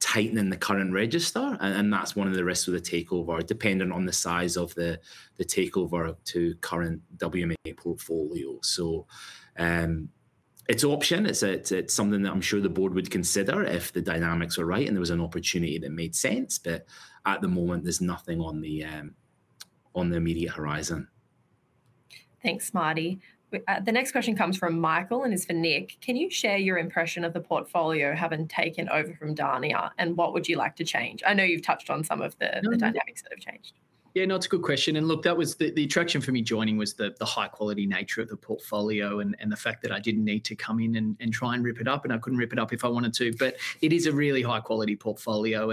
tightening the current register. That's one of the risks of the takeover, depending on the size of the takeover to current WMA portfolio. It's an option, it's something that I'm sure the board would consider if the dynamics were right and there was an opportunity that made sense. At the moment there's nothing on the immediate horizon. Thanks, Marty. The next question comes from Michael and is for Nick. Can you share your impression of the portfolio having taken over from Dania? What would you like to change? I know you've touched on some of the dynamics that have changed. Yeah. No, it's a good question. That was the attraction for me joining, the high quality nature of the portfolio and the fact that I didn't need to come in and try and rip it up, and I couldn't rip it up if I wanted to. It is a really high quality portfolio.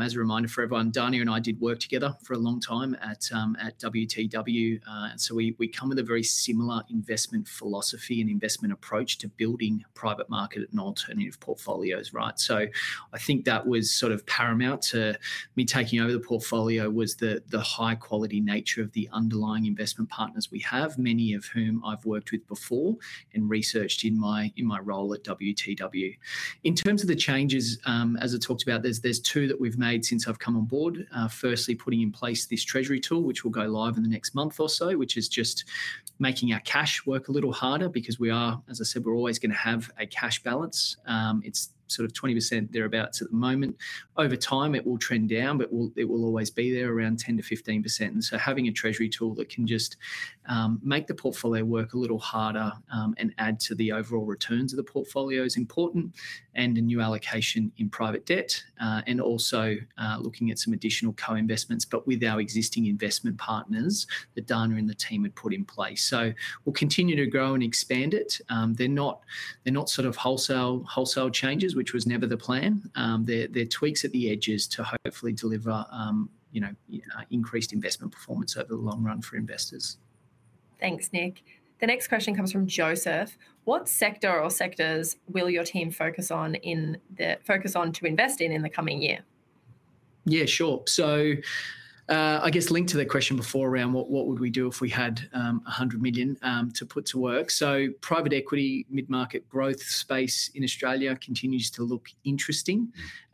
As a reminder for everyone, Dania and I did work together for a long time at WTW, and we come with a very similar investment philosophy and investment approach to building private market and alternative portfolios. I think that was sort of paramount to me taking over the portfolio, the high quality nature of the underlying investment partners we have, many of whom I've worked with before and researched in my role at WTW. In terms of the changes, as I talked about, there's two that we've made since I've come on board. Firstly, putting in place this Treasury tool, which will go live in the next month or so, which is just making our cash work a little harder because we are, as I said, we're always going to have a cash balance. It's sort of 20% thereabouts at the moment. Over time it will trend down, but it will always be there around 10%-15%. Having a Treasury tool that can just make the portfolio work a little harder and add to the overall returns of the portfolio is important, and a new allocation in private debt and also looking at some additional co-investments but with our existing investment partners that Dania and the team had put in place. We'll continue to grow and expand it. They're not sort of wholesale changes, which was never the plan. They're tweaks at the edges to hopefully deliver increased investment performance over the long run for investors. Thanks Nick. The next question comes from Joseph. What sector or sectors will your team focus on to invest in in the coming year? Yeah, sure. I guess linked to the question before around what we would do if we had $100 million to put to work, private equity mid-market growth space in Australia continues to look interesting.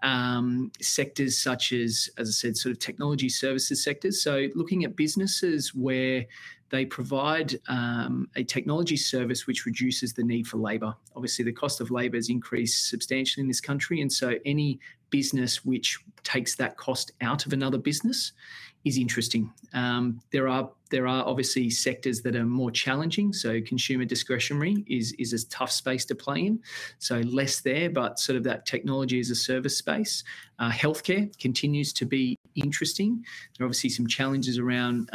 Interesting sectors such as, as I said, sort of technology services sectors. Looking at businesses where they provide a technology service which reduces the need for labor. Obviously, the cost of labor has increased substantially in this country, and any business which takes that cost out of another business is interesting. There are obviously sectors that are more challenging. Consumer discretionary is a tough space to play in, so less there, but sort of that technology as a service space. Healthcare continues to be interesting. There are obviously some challenges around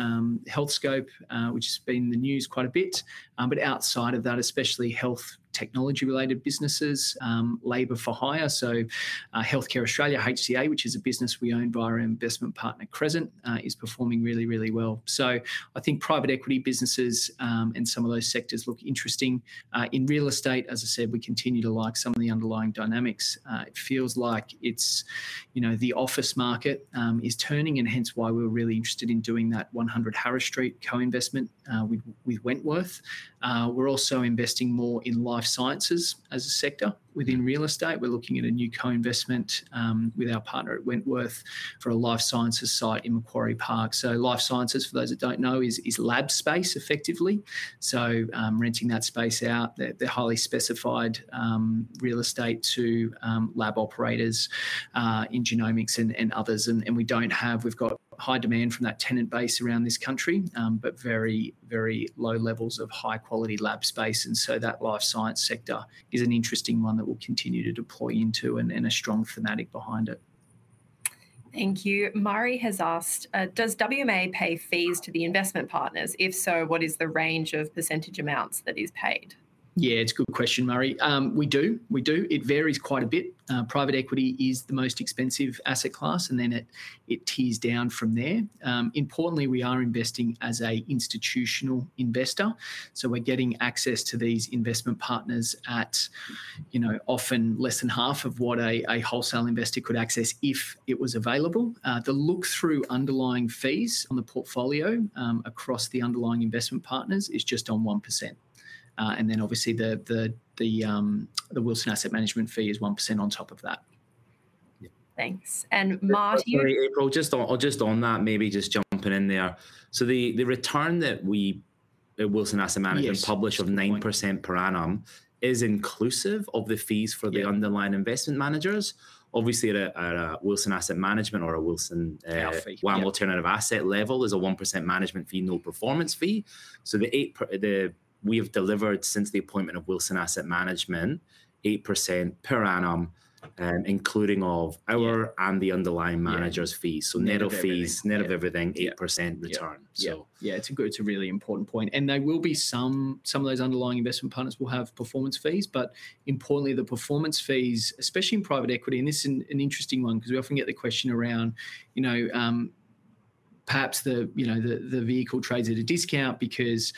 Health Scope, which has been in the news quite a bit, but outside of that, especially health technology-related businesses, labor for hire. Healthcare Australia, HCA, which is a business we own by our investment partner Crescent Capital, is performing really, really well. I think private equity businesses in some of those sectors look interesting. In real estate, as I said, we continue to like some of the underlying dynamics. It feels like the office is turning, which is why we were really interested in doing that 100 Harris Street co-investment with Wentworth. We're also investing more in life sciences as a sector within real estate. We're looking at a new co-investment with our partner at Wentworth for a life sciences site in Macquarie Park. Life Sciences, for those that don't know, is lab space effectively, so renting that space out. They're highly specified real estate to lab operators in genomics and others. We don't have, we've got high demand from that tenant base around this country but very, very low levels of high-quality lab space. That life sciences sector is an interesting one that we'll continue to deploy into and a strong thematic behind it. Thank you. Murray has asked, does WMA pay fees to the investment partners? If so, what is the range of percentage amounts that is paid? Yeah, it's a good question Murray. We do, we do. It varies quite a bit. Private equity is the most expensive asset class, and then it tees down from there. Importantly, we are investing as an institutional investor, so we're getting access to these investment partners at often less than half of what a wholesale investor could access if it was available. The look-through underlying fees on the portfolio across the underlying investment partners is just on 1%, and then obviously the Wilson Asset Management fee is 1% on top of that. Thanks, and Marty. Just on that, maybe just jumping in there. The return that we at Wilson Asset Management publish of 9% per annum is inclusive of the fees for the underlying investment managers. Obviously, Wilson Asset Management or a WAM Alternatives Asset level is a 1% management fee, no performance fee. The 8% that we have delivered since the appointment of Wilson Asset Management is per annum, including our and the underlying manager's fees. Net of fees, net of everything, 8% return. Yeah, it's a good, it's a really important point and there will be some of those underlying investment partners that will have performance fees, but importantly the performance fees, especially in private equity. This is an interesting one because we often get the question around, you know, perhaps the vehicle trades at a discount because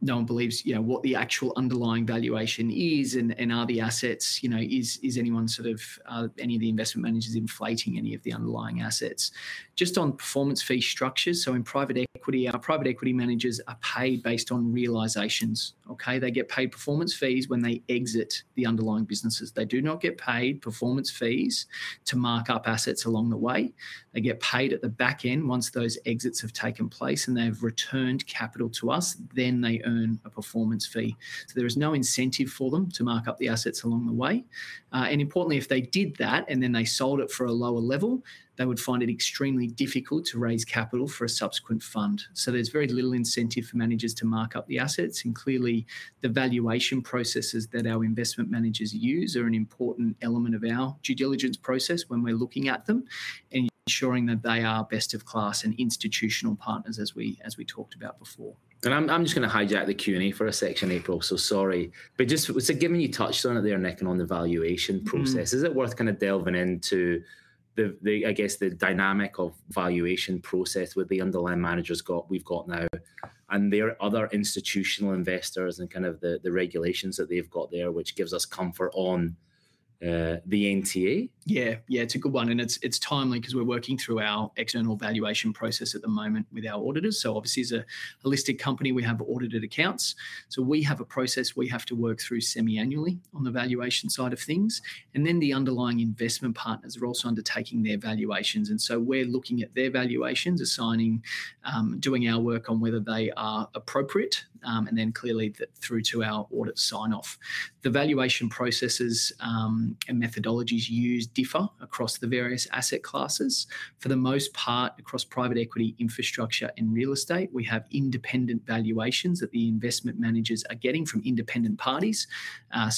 no one believes what the actual underlying valuation is and are the assets, you know, is anyone, any of the investment managers inflating any of the underlying assets just on performance fee structures. In private equity, our private equity managers are paid based on realizations. They get paid performance fees when they exit the underlying businesses. They do not get paid performance fees to mark up assets along the way. They get paid at the back end. Once those exits have taken place and they've returned capital to us, then they earn a performance fee. There is no incentive for them to mark up the assets along the way. Importantly, if they did that and then they sold it for a lower level, they would find it extremely difficult to raise capital for a subsequent fund. There is very little incentive for managers to mark up the assets. Clearly, the valuation processes that our investment managers use are an important element of our due diligence process when we're looking at them, ensuring that they are best of class and institutional partners as we talked about before. Just going to hijack the Q and A for a section, April, so sorry but just given you touched on it there, Nick, and on the valuation process, is it worth kind of delving into, I guess, the dynamic of valuation process with the underlying managers we've got. We've got now, and there are other institutional investors and kind of the regulations that they've got there, which gives us comfort on the NTA. Yeah, yeah, it's a good one and it's timely because we're working through our external valuation process at the moment with our auditors. Obviously as a holistic company we have audited accounts, so we have a process we have to work through semiannually on the valuation side of things and then the underlying investment partners are also undertaking their valuations. We're looking at their valuations, assigning, doing our work on whether they are appropriate and then clearly through to our audit sign off. The valuation processes and methodologies used differ across the various asset classes. For the most part across private equity, infrastructure and real estate we have independent valuations that the investment managers are getting from independent parties.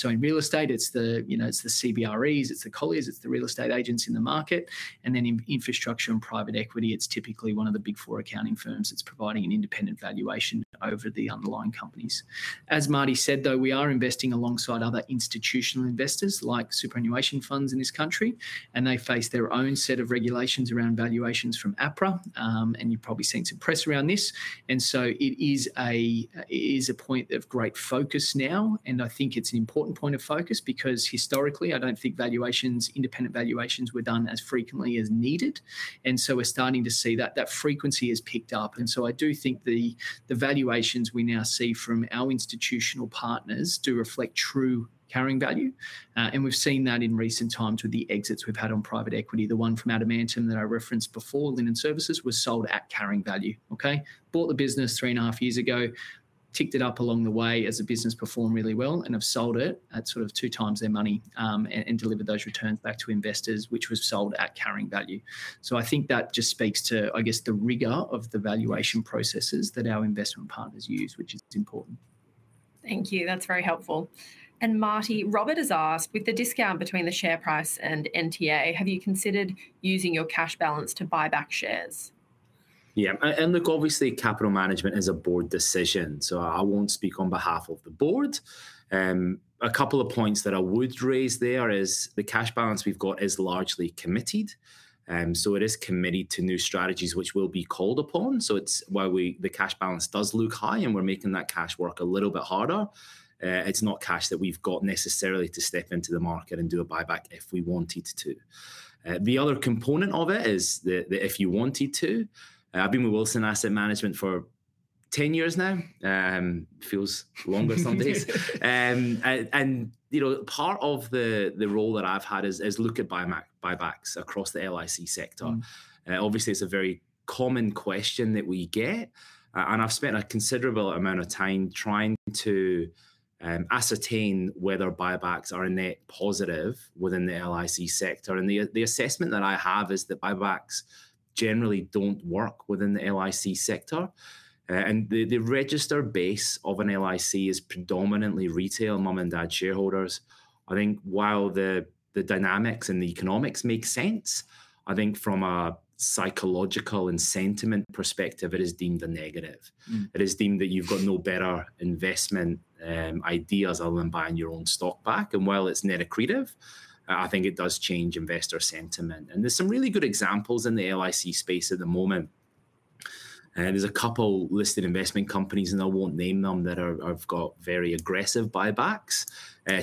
In real estate it's the, you know, it's the CBREs, it's the Colliers, it's the real estate agents in the market and then in infrastructure and private equity, it's typically one of the big four accounting firms that's providing an independent valuation over the underlying companies. As Marty said, we are investing alongside other institutional investors like superannuation funds in this country and they face their own set of regulations around valuations from APRA. You've probably seen some press around this. It is a point of great focus now and I think it's an important point of focus because historically I don't think valuations, independent valuations were done as frequently as needed. We're starting to see that frequency has picked up and I do think the valuations we now see from our institutional partners do reflect true carrying value. We've seen that in recent times with the exits we've had on private equity. The one from Adamantium that I referenced before, Linen Services, was sold at carrying value. Bought the business three and a half years ago, ticked it up along the way as a business, performed really well and have sold it at sort of 2x their money and delivered returns back to investors, which was sold at carrying value. I think that just speaks to, I guess, the rigor of the valuation processes that our investment partners use, which is important. Thank you, that's very helpful. Marty, Robert has asked, with the discount between the share price and NTA, have you considered using your cash balance to buy back shares? Obviously, capital management is a board decision, so I won't speak on behalf of the board. A couple of points that I would raise there is the cash balance we've got is largely committed, so it is committed to new strategies which will be called upon. It's why the cash balance does look high and we're making that cash work a little bit harder. It's not cash that we've got necessarily to step into the market and do a buyback if we wanted to. The other component of it is that I've been with Wilson Asset Management for 10 years now, feels longer some days, and part of the role that I've had is look at buybacks across the LIC sector. Obviously, it's a very common question that we get, and I've spent a considerable amount of time trying to ascertain whether buybacks are net positive within the LIC sector. The assessment that I have is the buyback acts generally don't work within the LIC sector, and the register base of an LIC is predominantly retail mom and dad shareholders. I think while the dynamics and the economics make sense, I think from a psychological and sentiment perspective, it is deemed a negative. It is deemed that you've got no better investment ideas other than buying your own stock back. While it's negative accretive, I think it does change investor sentiment. There's some really good examples in the LIC space at the moment. There's a couple listed investment companies, and I won't name them, that have got very aggressive buybacks,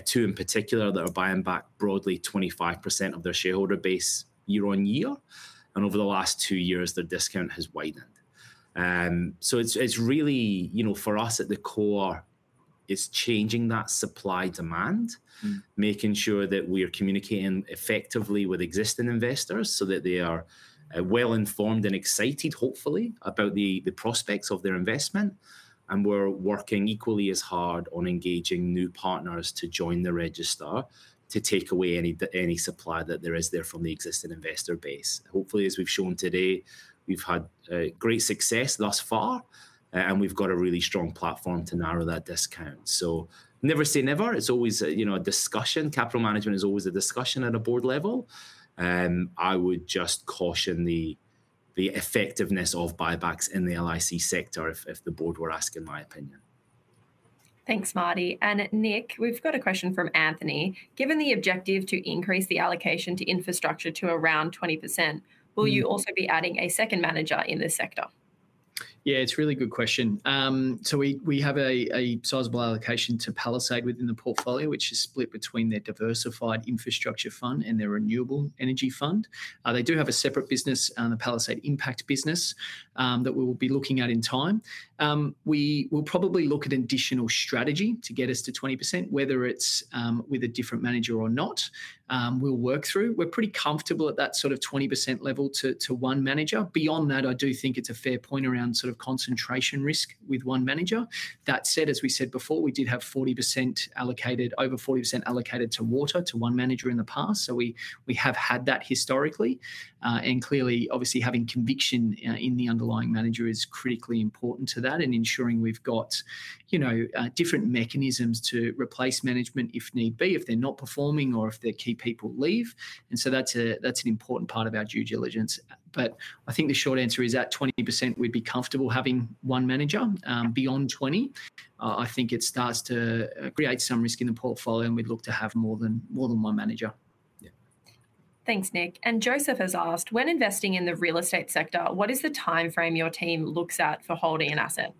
two in particular that are buying back broadly 25% of their shareholder base year on year, and over the last two years their discount has widened. For us, at the core is changing that supply demand, making sure that we are communicating effectively with existing investors so that they are well informed and excited hopefully about the prospects of their investment. We're working equally as hard on engaging new partners to join the register to take away any supply that there is there from the existing investor base. Hopefully, as we've shown today, we've had great success thus far and we've got a really strong platform to narrow that discount. Never say never. It's always a discussion. Capital management is always a discussion at a board level. I would just caution the effectiveness of buybacks in the LIC sector if the board were asked, in my opinion. Thanks, Marty. Nick, we've got a question from Anthony. Given the objective to increase the allocation to infrastructure to around 20%, will you also be adding a second manager in this sector? Yeah, it's a really good question. We have a sizable allocation to Palisade within the portfolio, which is split between their diversified infrastructure fund and their renewable energy fund. They do have a separate business, the Palisade Impact business, that we will be looking at in time. We will probably look at additional strategy to get us to 20%. Whether it's with a different manager or not, we'll work through. We're pretty comfortable at that sort of 20% level to one manager. Beyond that, I do think it's a fair point around concentration risk with one manager. That said, as we said before, we did have over 40% allocated to water to one manager in the past. We have had that historically, and clearly, obviously having conviction in the underlying manager is critically important to that and ensuring we've got different mechanisms to replace management if need be, if they're not performing or if their key people leave. That's an important part of our due diligence. I think the short answer is at 20% we'd be comfortable having one manager. Beyond 20%, I think it starts to create some risk in the portfolio and we'd look to have more than one manager. Thanks, Nick. Joseph has asked, when investing in the real estate sector, what is the timeframe your team looks at for holding an asset?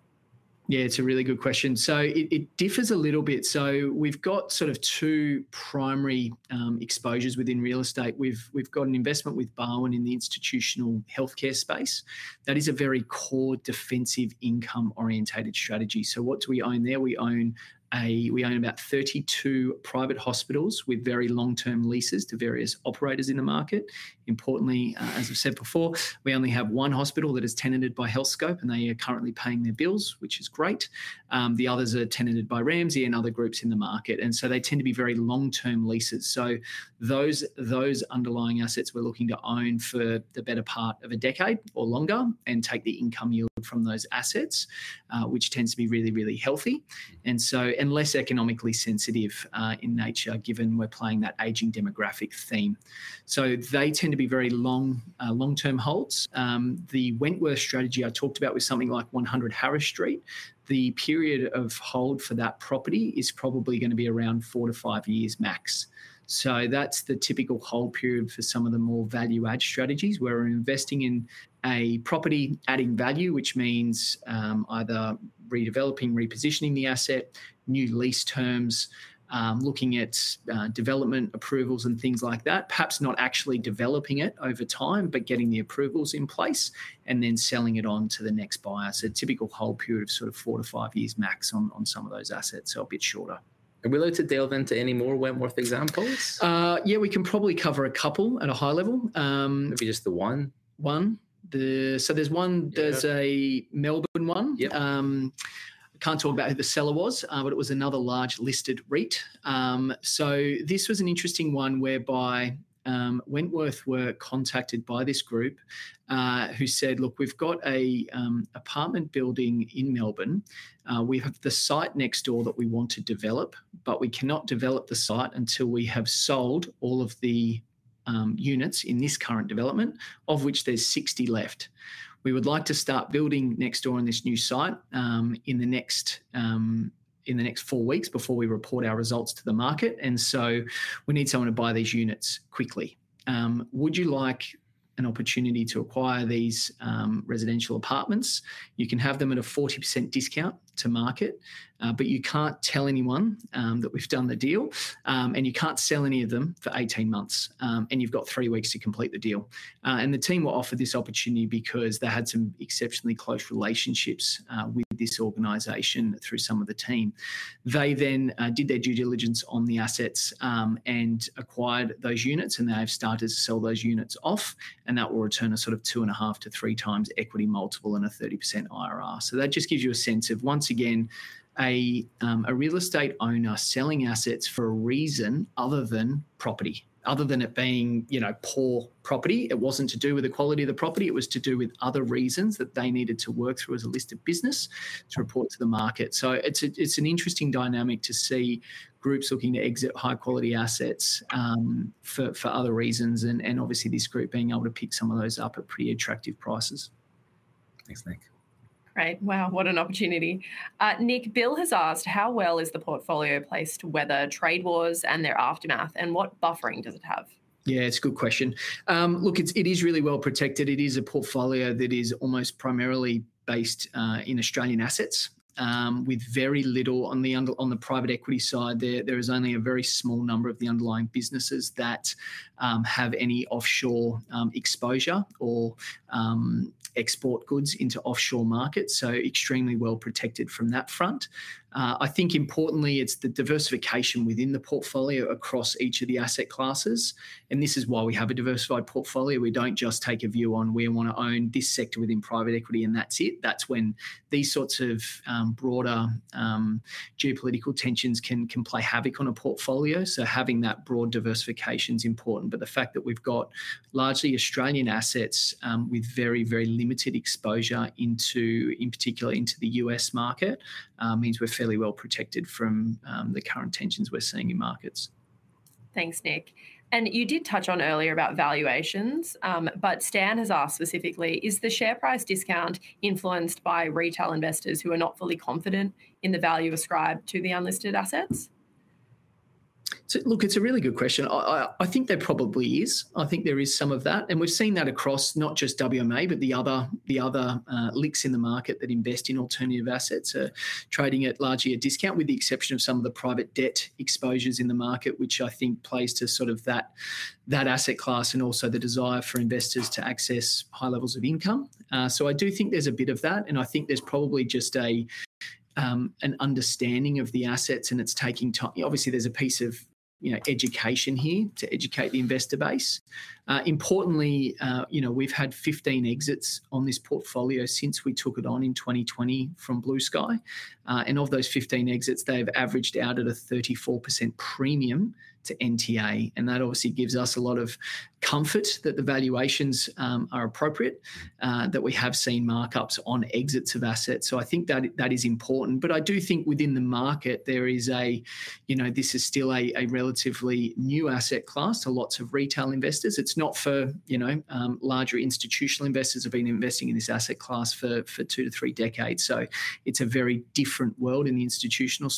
Yeah, it's a really good question. It differs a little bit. We've got sort of two primary exposures within real estate. We've got an investment with Barwon in the institutional healthcare space. That is a very core defensive income orientated strategy. What do we own there? We own about 32 private hospitals with very long-term leases to various operators in the market. Importantly, as I've said before, we only have one hospital that is tenanted by Health Scope and they are currently paying their bills, which is great. The others are tenanted by Ramsey and other groups in the market. They tend to be very long-term leases. Those underlying assets we're looking to own for the better part of a decade or longer and take the income yield from those assets, which tends to be really, really healthy and less economically sensitive in nature, given we're playing that aging demographic theme. They tend to be very long-term holds. The Wentworth strategy I talked about with something like 100 Harris Street, the period of hold for that property is probably going to be around four to five years max. That's the typical hold period for some of the more value-add strategies where we're investing in a property, adding value, which means either redeveloping, repositioning the asset, new lease terms, looking at development approvals and things like that, perhaps not actually developing it over time, but getting the approvals in place and then selling it on to the next buyer. Typical hold period of sort of four to five years max on some of those assets. It'll be a shorter. Are we allowed to delve into any more Wentworth examples? Yeah, we can probably cover a couple at a high level. Maybe just the one. There's a Melbourne one. Can't talk about who the seller was, but it was another large listed REIT. This was an interesting one whereby Wentworth were contacted by this group who said, look, we've got an apartment building in Melbourne, we have the site next door that we want to develop, but we cannot develop the site until we have sold all of the units in this current development, of which there's 60 left. We would like to start building next door on this new site in the next four weeks before we report our results to the market. We need someone to buy these units quickly. Would you like an opportunity to acquire these residential apartments? You can have them at a 40% discount to market, but you can't tell anyone that we've done the deal and you can't sell any of them for 18 months and you've got three weeks to complete the deal. The team were offered this opportunity because they had some exceptionally close relationships with this organization. Through some of the team, they then did their due diligence on the assets and acquired those units and they've started to sell those units off. That will return a sort of two and a half to three times equity multiple and a 30% IRR. That just gives you a sense of once a year, again, a real estate owner selling assets for a reason other than property, other than it being poor property. It wasn't to do with the quality of the property, it was to do with other reasons that they needed to work through as a listed business to report to the market. It's an interesting dynamic to see groups looking to exit high quality assets for other reasons and obviously this group being able to pick some of those up at pretty attractive prices. Thanks Nick. Great. Wow, what an opportunity. Nick, Bill has asked how well is the portfolio placed? Weather, trade wars and their aftermath, and what buffering does it have? Yeah, it's a good question. Look, it is really well protected. It is a portfolio that is almost primarily based in Australian assets with very little on the under. On the private equity side, there is only a very small number of the underlying businesses that have any offshore exposure or export goods into offshore markets, so extremely well protected from that front. I think importantly it's the diversification within the portfolio across each of the asset classes, and this is why we have a diversified portfolio. We don't just take a view on, we want to own this sector within private equity and that's it. That's when these sorts of broader geopolitical tensions can play havoc on a portfolio. Having that broad diversification is important, but the fact that we've got largely Australian assets with very, very limited exposure in particular into the U.S. market means we're fairly well protected from the current tensions we're seeing in markets. Thanks, Nick. You did touch on earlier about valuations, but Stan has asked specifically, is the share price discount influenced by retail investors who are not fully confident in the value ascribed to the unlisted assets? It's a really good question. I think there probably is, I think there is some of that and we've seen that across not just WMA but the other LICs in the market that invest in alternative assets. They are trading at largely a discount with the exception of some of the private debt exposures in the market, which I think plays to that asset class and also the desire for investors to access high levels of income. I do think there's a bit of that and I think there's probably just an understanding of the assets and it's taking time. Obviously there's a piece of education here to educate the investor base. Importantly, we've had 15 exits on this portfolio since we took it on in 2020 from Blue Sky. Of those 15 exits, they've averaged out at a 34% premium to NTA. That obviously gives us a lot of comfort that the valuations are appropriate, that we have seen markups on exits of assets. I think that is important. I do think the market, this is still a relatively new asset class to lots of retail investors. It's not for larger institutional investors who have been investing in this asset class for two to three decades. It's a very different world in the institutional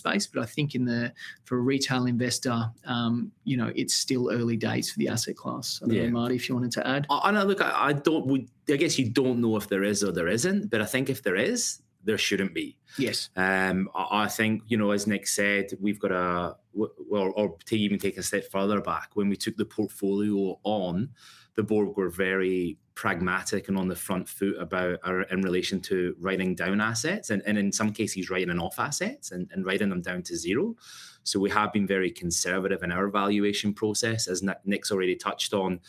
space. I think for a retail investor, it's still early days for the asset class. I don't know Marty, if you wanted to add. I know, look, I don't, I guess you don't know if there is or there isn't, but I think if there is, there shouldn't be. Yes, I think, you know, as Nick said, we've got a, or to even take a step further back, when we took the portfolio on, the board were very pragmatic and on the front foot about our, in relation to writing down assets and in some cases writing off assets and writing them down to zero. We have been very conservative in our valuation process, as Nick's already touched on.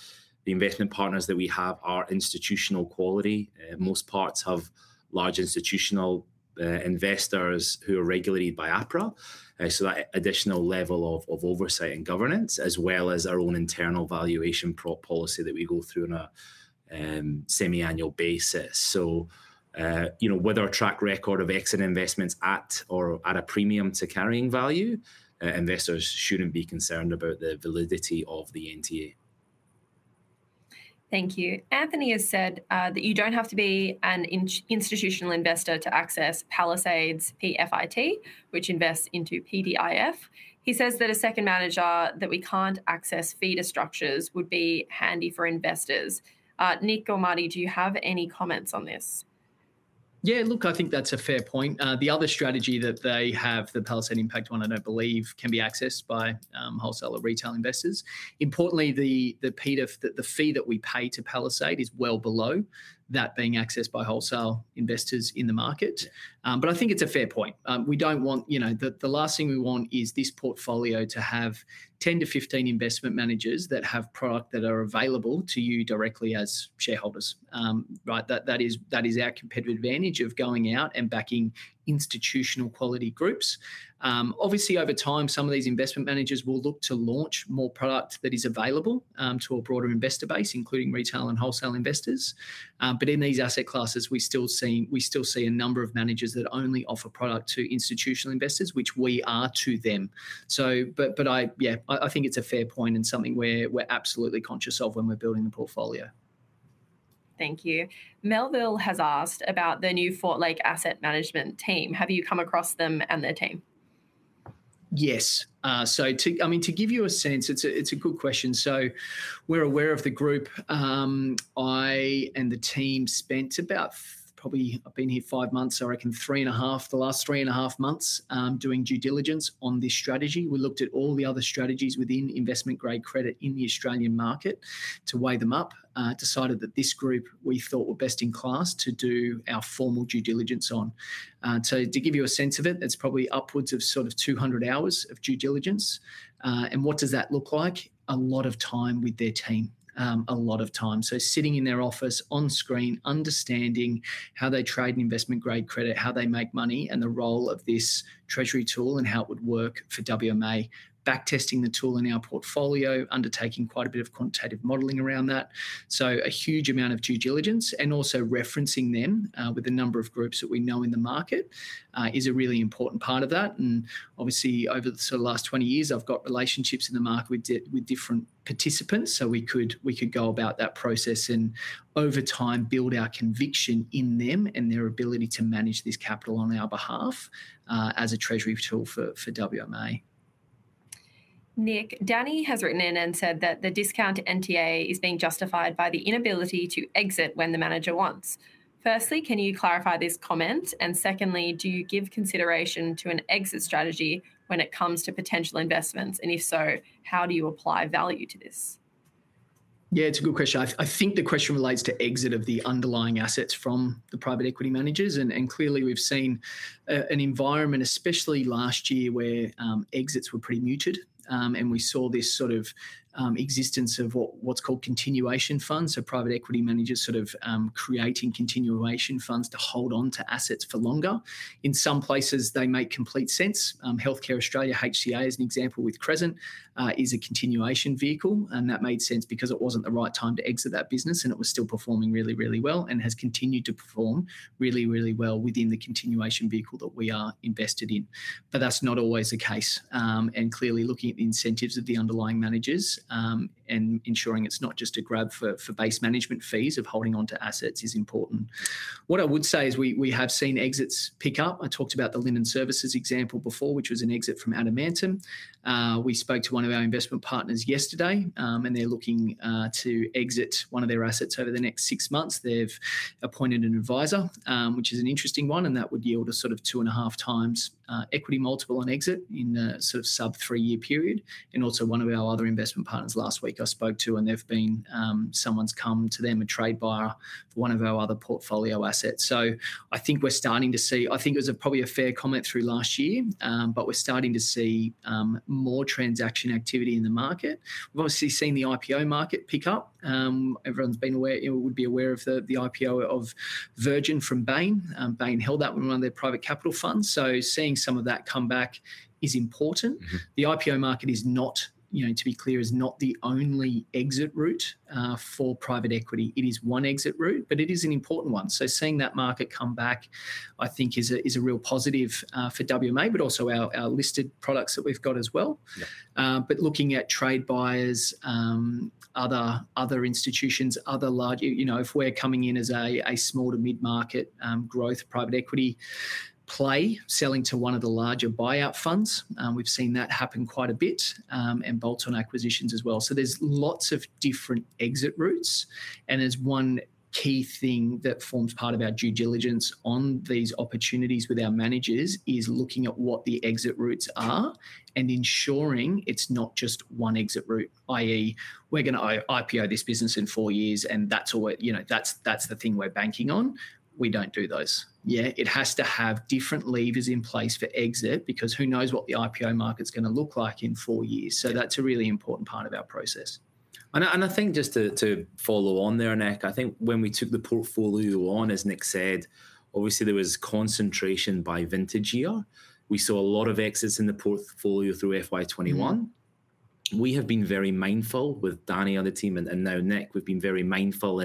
The investment partners that we have are institutional-quality. Most popular parts have large institutional investors who are regulated by APRA. That additional level of oversight and governance, as well as our own internal valuation policy that we go through on a semi-annual basis. With our track record of exit investments at or at a premium to carrying value, investors shouldn't be concerned about the validity of the NTA. Thank you. Anthony has said that you don't have to be an institutional investor to access Palisade's PFIT, which invests into PDIF. He says that a second manager that we can't access feeder structures would be handy for investors. Nick or Marty, do you have any comments on this? Yeah, look, I think that's a fair point. The other strategy that they have, the Palisade Impact one, I don't believe can be accessed by wholesale or retail investors. Importantly, the PDIF, the fee that we pay to Palisade is well below that being accessed by wholesale investors in the market. I think it's a fair point. We don't want, you know, the last thing we want is this portfolio to have 10-15 investment managers that have product that are available to you directly as shareholders. That is our competitive advantage of going out and backing institutional-quality groups. Obviously, over time, some of these investment managers will look to launch more product that is available to a broader investor base, including retail and wholesale investors. In these asset classes, we still see a number of managers that only offer product to institutional investors, which we are to them. I think it's a fair point and something we're absolutely conscious of when we're building the portfolio. Thank you. Melville has asked about the new Fortlake Asset Management team. Have you come across them and their team? Yes. To give you a sense, it's a good question. We're aware of the group. I and the team spent about, probably, I've been here five months, I reckon three and a half, the last three and a half months doing due diligence on this strategy. We looked at all the other strategies within investment grade credit in the Australian market to weigh them up, decided that this group we thought were best in class to do our formal due diligence on. To give you a sense of it, it's probably upwards of 200 hours of due diligence. What does that look like? A lot of time with their team, a lot of time sitting in their office, on screen, understanding how they trade in investment grade credit, how they make money, and the role of this treasury tool and how it would work for WMA. Backtesting the tool in our portfolio, undertaking quite a bit of quantitative modeling around that. A huge amount of due diligence and also referencing them with a number of groups that we know in the market. Market is a really important part of that, and obviously over the last 20 years I've got relationships in the market with different participants so we could go about that process and over time build our conviction in them and their ability to manage this capital on our behalf as a treasury tool for WMA. Nick, Danny has written in and said that the discount to NTA is being justified by the inability to exit when the manager wants. Firstly, can you clarify this comment? Secondly, do you give consideration to an exit strategy when it comes to potential investments, and if so, how do you apply value to this? Yeah, it's a good question. I think the question relates to exit of the underlying assets from the private equity managers, and clearly we've seen an environment, especially last year, where exits were pretty muted and we saw this sort of existence of what's called continuation funds. Private equity managers sort of creating continuation funds to hold on to assets for longer. In some places they make complete sense. Healthcare Australia, HCA as an example with Crescent, is a continuation vehicle and that made sense because it wasn't the right time to exit that business and it was still performing really, really well and has continued to perform really, really well within the continuation vehicle that we are invested in. That's not always the case, and clearly looking at the incentives of the underlying managers and ensuring it's not just a grab for base management fees of holding onto assets is important. What I would say is we have seen exits pick up. I talked about the Linen Services example before, which was an exit from Adamantem. We spoke to one of our investment partners yesterday and they're looking to exit one of their assets over the next six months. They've appointed an advisor, which is an interesting one, and that would yield a sort of 2.5x equity multiple on exit in the sort of sub three year period. Also, one of our other investment partners last week I spoke to and they've been, someone's come to them, a trade block via one of our other portfolio assets. I think we're starting to see, I think it was probably a fair comment through last year, but we're starting to see more transaction activity in the market. We've obviously seen the IPO market pick up. Everyone would be aware of the IPO of Virgin from Bain. Bain held that in one of their private capital funds. Seeing some of that come back is important. The IPO market, to be clear, is not the only exit route for private equity. It is one exit route, but it is an important one. Seeing that market come back I think is a real positive for WMA, but also our listed products that we've got as well. Looking at trade buyers, other institutions, other large, you know, if we're coming in as a small to mid-market growth private equity play, selling to one of the larger buyout funds. We've seen that happen quite a bit and bolt-on acquisitions as well. There are lots of different exit routes, and one key thing that forms part of our due diligence on these opportunities with our managers is looking at what the exit routes are and ensuring it's not just one exit route that is we're going to IPO this business in four years and that's all, that's the thing we're banking on. We don't do those. It has to have different levers in place for exit because who knows what the IPO market's going to look like in four years. That's a really important part of our process. I think just to follow on there, Nick. I think when we took the portfolio on, as Nick said, obviously there was concentration by vintage year. We saw a lot of exits in the portfolio through FY 2021. We have been very mindful with Dania on the team and now Nick, we've been very mindful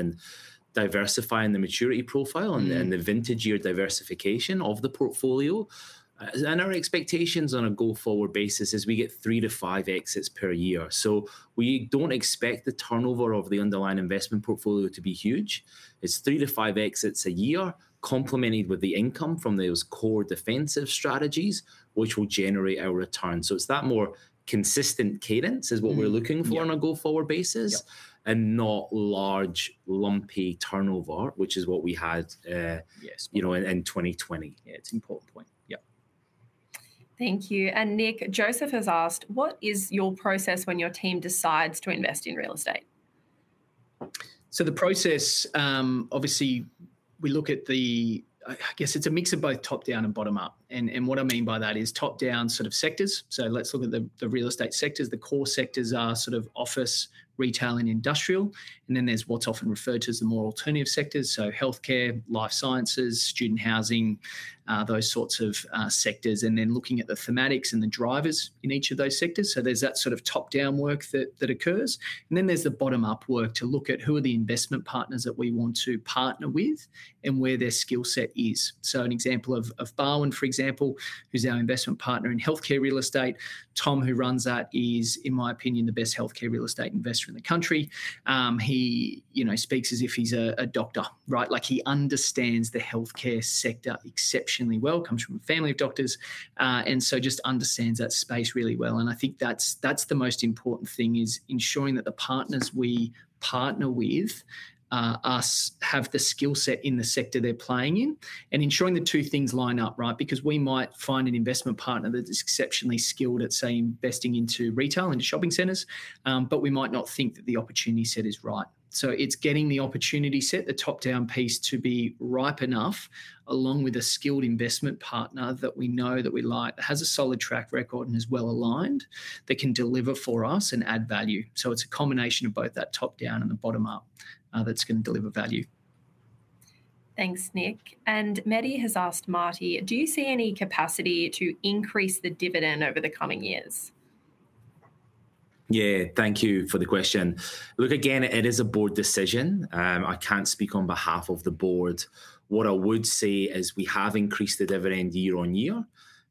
in diversifying the maturity profile and the vintage year diversification of the portfolio. Our expectations on a go forward basis is we get three to five exits per year. We don't expect the turnover of the underlying investment portfolio to be huge. It's three to five exits a year complemented with the income from those core defensive strategies which will generate our return. It's that more consistent cadence is what we're looking for on a go forward basis and not large lumpy turnover, which is what we had in 2020. It's an important point. Thank you. Nick, Joseph has asked, what is your process when your team decides to invest in real estate? The process, obviously we look at, I guess it's a mix of both top down and bottom up, and what I mean by that is top down sort of sectors. Let's look at the real estate sectors. The core sectors are sort of office, retail, and industrial, and then there's what's often referred to as the more alternative sectors, so healthcare, life sciences, student housing, those sorts of sectors. Then looking at the thematics and the drivers in each of those sectors. There's that sort of top down work that occurs, and then there's the bottom up work to look at the investment partners that we want to partner with and where their skill set is. An example is Barwon, for example, who's our investment partner in healthcare real estate. Tom, who runs that, is in my opinion the best healthcare real estate investor in the country. He speaks as if he's a doctor, right, like he understands the healthcare sector exceptionally well, comes from a family of doctors, and just understands that space really well. I think that's the most important thing, ensuring that the partner we partner with has the skill set in the sector they're playing in and ensuring the two things line up right. We might find an investment partner that is exceptionally skilled at, say, investing into retail and shopping centers, but we might not think that the opportunity set is right. It's getting the opportunity set, the top down piece, to be ripe enough along with a skilled investment partner that we know, that we like, that has a solid track record and is well aligned, that can deliver for us and add value. It's a combination of both that top down and the bottom up that's going to deliver value. Thanks, Nick. Mehdi has asked, Marty, do you see any capacity to increase the dividend over the coming years? Yeah, thank you for the question. Look, again, it is a board decision. I can't speak on behalf of the board. What I would say is we have increased the dividend year on year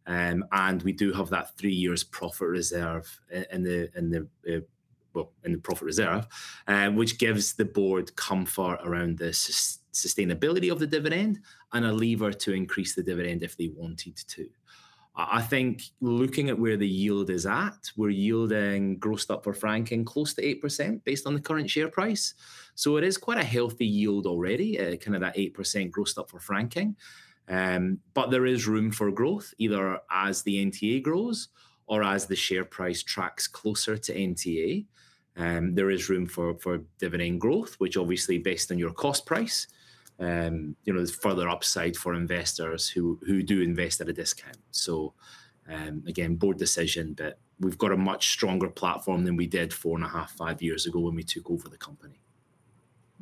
and we do have that three years profit reserve. The profit reserve gives the board comfort around the sustainability of the dividend and a lever to increase the dividend if they wanted to. I think looking at where the yield is at, we're yielding, grossed up for franking, close to 8% based on the current share price. It is quite a healthy yield already, kind of that 8% gross up for franking. There is room for growth either as the NTA grows or as the share price tracks closer to NTA. There is room for dividend growth, which obviously based on your cost price, there's further upside for investors who do invest at a discount. Again, board decision, but we've got a much stronger platform than we did four and a half, five years ago when we took over the company.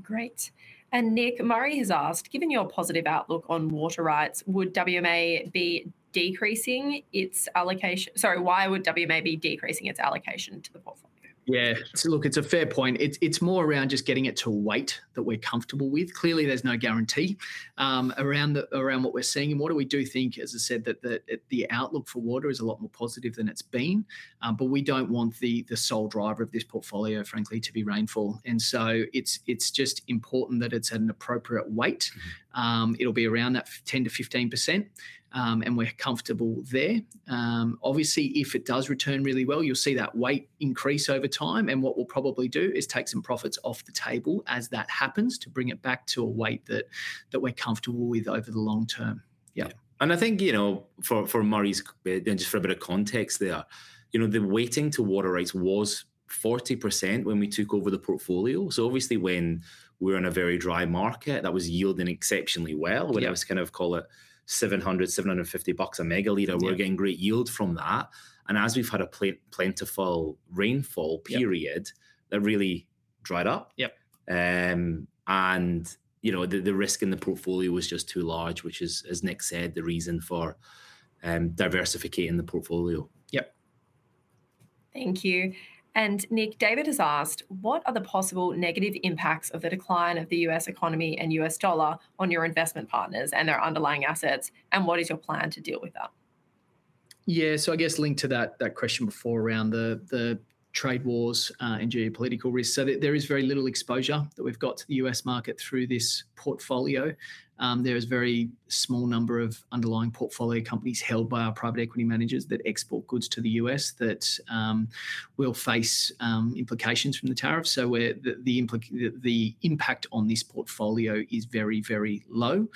Great. Nick Murray has asked, given your positive outlook on water rights, would WMA be decreasing its allocation to the portfolio? Yeah, so look, it's a fair point. It's more around just getting it to a weight that we're comfortable with. Clearly there's no guarantee around what we're seeing in water. We do think, as I said, that the outlook for water is a lot more positive than it's been. We don't want the sole driver of this portfolio, frankly, to be rainfall, so it's just important that it's at an appropriate weight. It'll be around that 10%-15%, and we're comfortable there. Obviously, if it does return really well, you'll see that weight increase over time. What we'll probably do is take some profits off the table as that happens to bring it back to a weight that we're comfortable with over the long term. Yeah, I think for Murray's, just for a bit of context there, the weighting to water rights was 40% when we took over the portfolio. Obviously, when we're in a very dry market, that was yielding exceptionally well when it was, call it, $700, $750 a megalitre. We were getting great yield from that. As we've had a plentiful rainfall period, that really dried up and the risk in the portfolio was just too large, which is, as Nick said, the reason for diversifying the portfolio. Thank you. Nick, David has asked what are the possible negative impacts of the decline of the U.S. economy and U.S. dollar on your investment partners and their underlying assets, and what is your plan to deal with that? Yeah, I guess linked to that question before around the trade wars and geopolitical risks, there is very little exposure that we've got to the U.S. market through this portfolio. There is a very small number of underlying portfolio companies held by our private equity managers that export goods to the U.S. that will face impact from the tariff. The impact on this portfolio is very, very low.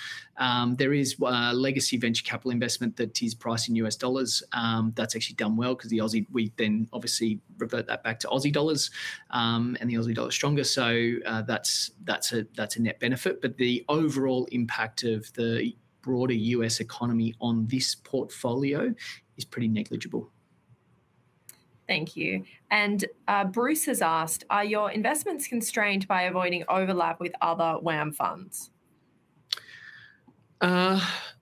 There is legacy venture capital investment that is priced in U.S. dollars that's actually done well because the Aussie, we then obviously revert that back to Aussie dollars and the Aussie dollar is stronger. That's a net benefit. The overall impact of the broader U.S. economy on this portfolio is pretty much negligible. Thank you. Bruce has asked, are your investments constrained by avoiding overlap with other WAM funds?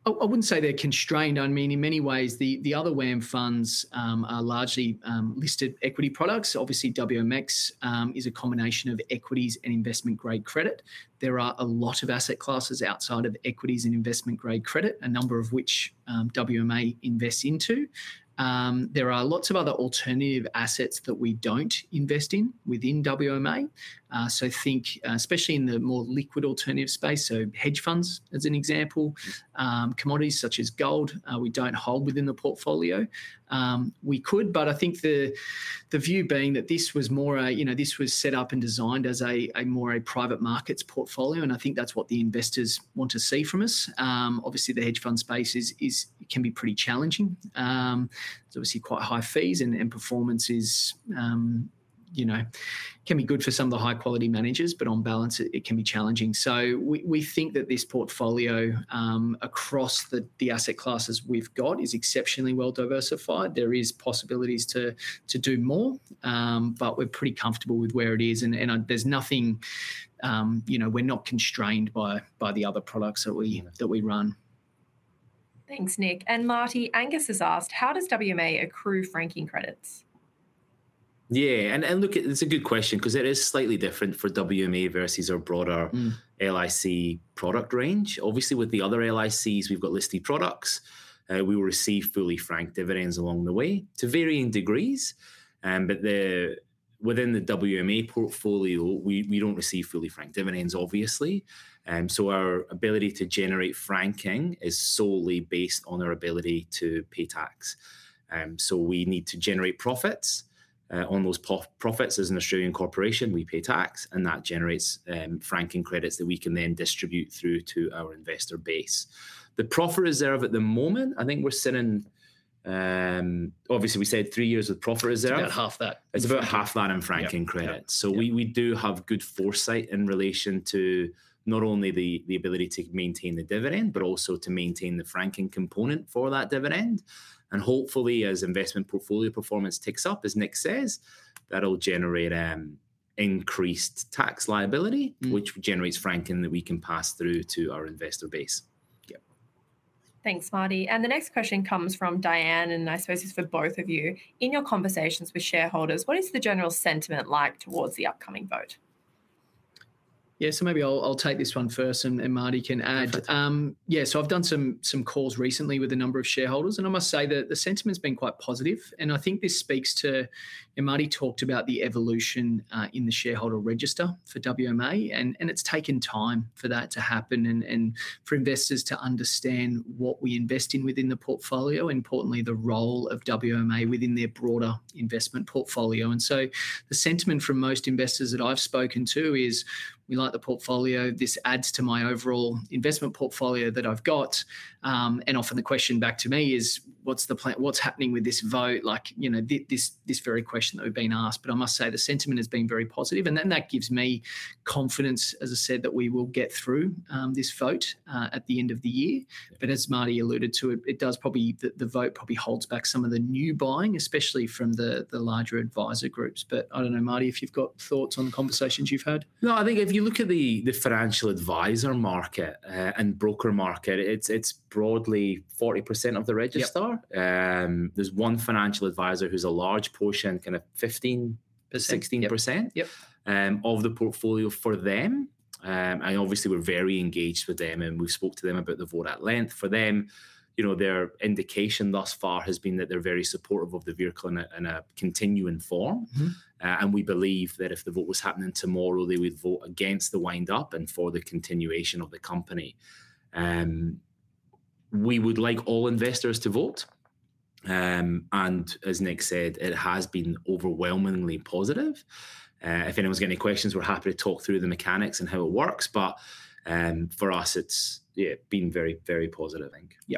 I wouldn't say they're constrained. I mean, in many ways the other WAM products are largely listed equity products. Obviously, WMX is a combination of equities and investment grade credit. There are a lot of asset classes outside of equities and investment grade credit, a number of which WMA invests into. There are lots of other alternative assets that we don't invest in within WMA. Think especially in the more liquid alternative space. Hedge funds as an example, commodities such as gold, we don't hold within the portfolio. We could, but I think the view being that this was set up and designed as more a private markets portfolio. I think that's what the investors want to see from us. Obviously, the hedge fund space can be pretty challenging, quite high fees and performance can be good for some of the high quality managers. On balance, it can be challenging. We think that this portfolio across the asset classes we've got is exceptionally well diversified. There are possibilities to do more, but we're pretty comfortable with where it is and there's nothing, we're not constrained by the other products that we run. Thanks, Nick. Marty, Angus has asked, how does WMA accrue franking credits? Yeah, and look, it's a good question because it is slightly different for WMA versus our broader LIC product range. Obviously, with the other LICs, we've got listed products, we will receive fully franked dividends along the way to varying degrees. Within the WMA portfolio, we don't receive fully franked dividends off, obviously. Our ability to generate franking is solely based on our ability to pay tax. We need to generate profits, on those profits, as an Australian corporation, we pay tax and that generates franking credits that we can then distribute through to our investor base. The profit reserve at the moment, I think we're sitting, obviously we said three years with profit reserve. Yeah, half that. It's about half that in franking credit. We do have good foresight in relation to not only the ability to maintain the dividend, but also to maintain the franking component for that dividend. Hopefully, as investment portfolio performance ticks up, as Nick says, that'll generate increased tax liability which generates franking that we can pass through to our investor base. Thanks, Marty. The next question comes from Diane. I suppose it's for both of you. In your conversations with shareholders, what is the general sentiment like towards the upside? Yeah, maybe I'll take this one first. Marty can add. I've done some calls recently with a number of shareholders and I must say that the sentiment's been quite positive. I think this speaks to what Marty talked about, the evolution in the shareholder register for WMA, and it's taken time for that to happen and for investors to understand what we invest in within the portfolio, importantly the role of WMA within their broader investment portfolio. The sentiment from most investors that I've spoken to is, we like the portfolio, this adds to my overall investment portfolio that I've got. Often the question back to me is, what's the plan, what's happening with this vote, like this very question that we've been asked. I must say the sentiment has been very positive. That gives me confidence, as I said, that we will get through this vote at the end of the year. As Marty alluded to, the vote probably holds back some of the new buying, especially from the larger advisory groups. I don't know, Marty, if you've got thoughts on the conversations you've had. No, I think if you look at the financial advisor market and broker market, it's broadly 40% of the register. There's one financial advisor who's a large portion, kind of 15%, 16% of the portfolio for them. Obviously, we're very engaged with them and we spoke to them about the vote at length for them. Their indication thus far has been that they're very supportive of the vehicle in a continuing form. We believe that if the vote was happening tomorrow, they would vote against the wind up and for the continuation of the company. We would like all investors to vote, and as Nick said, it has been overwhelmingly positive. If anyone's got any questions, we're happy to talk through the mechanics and how it works. For us, it's been very, very positive. Yeah.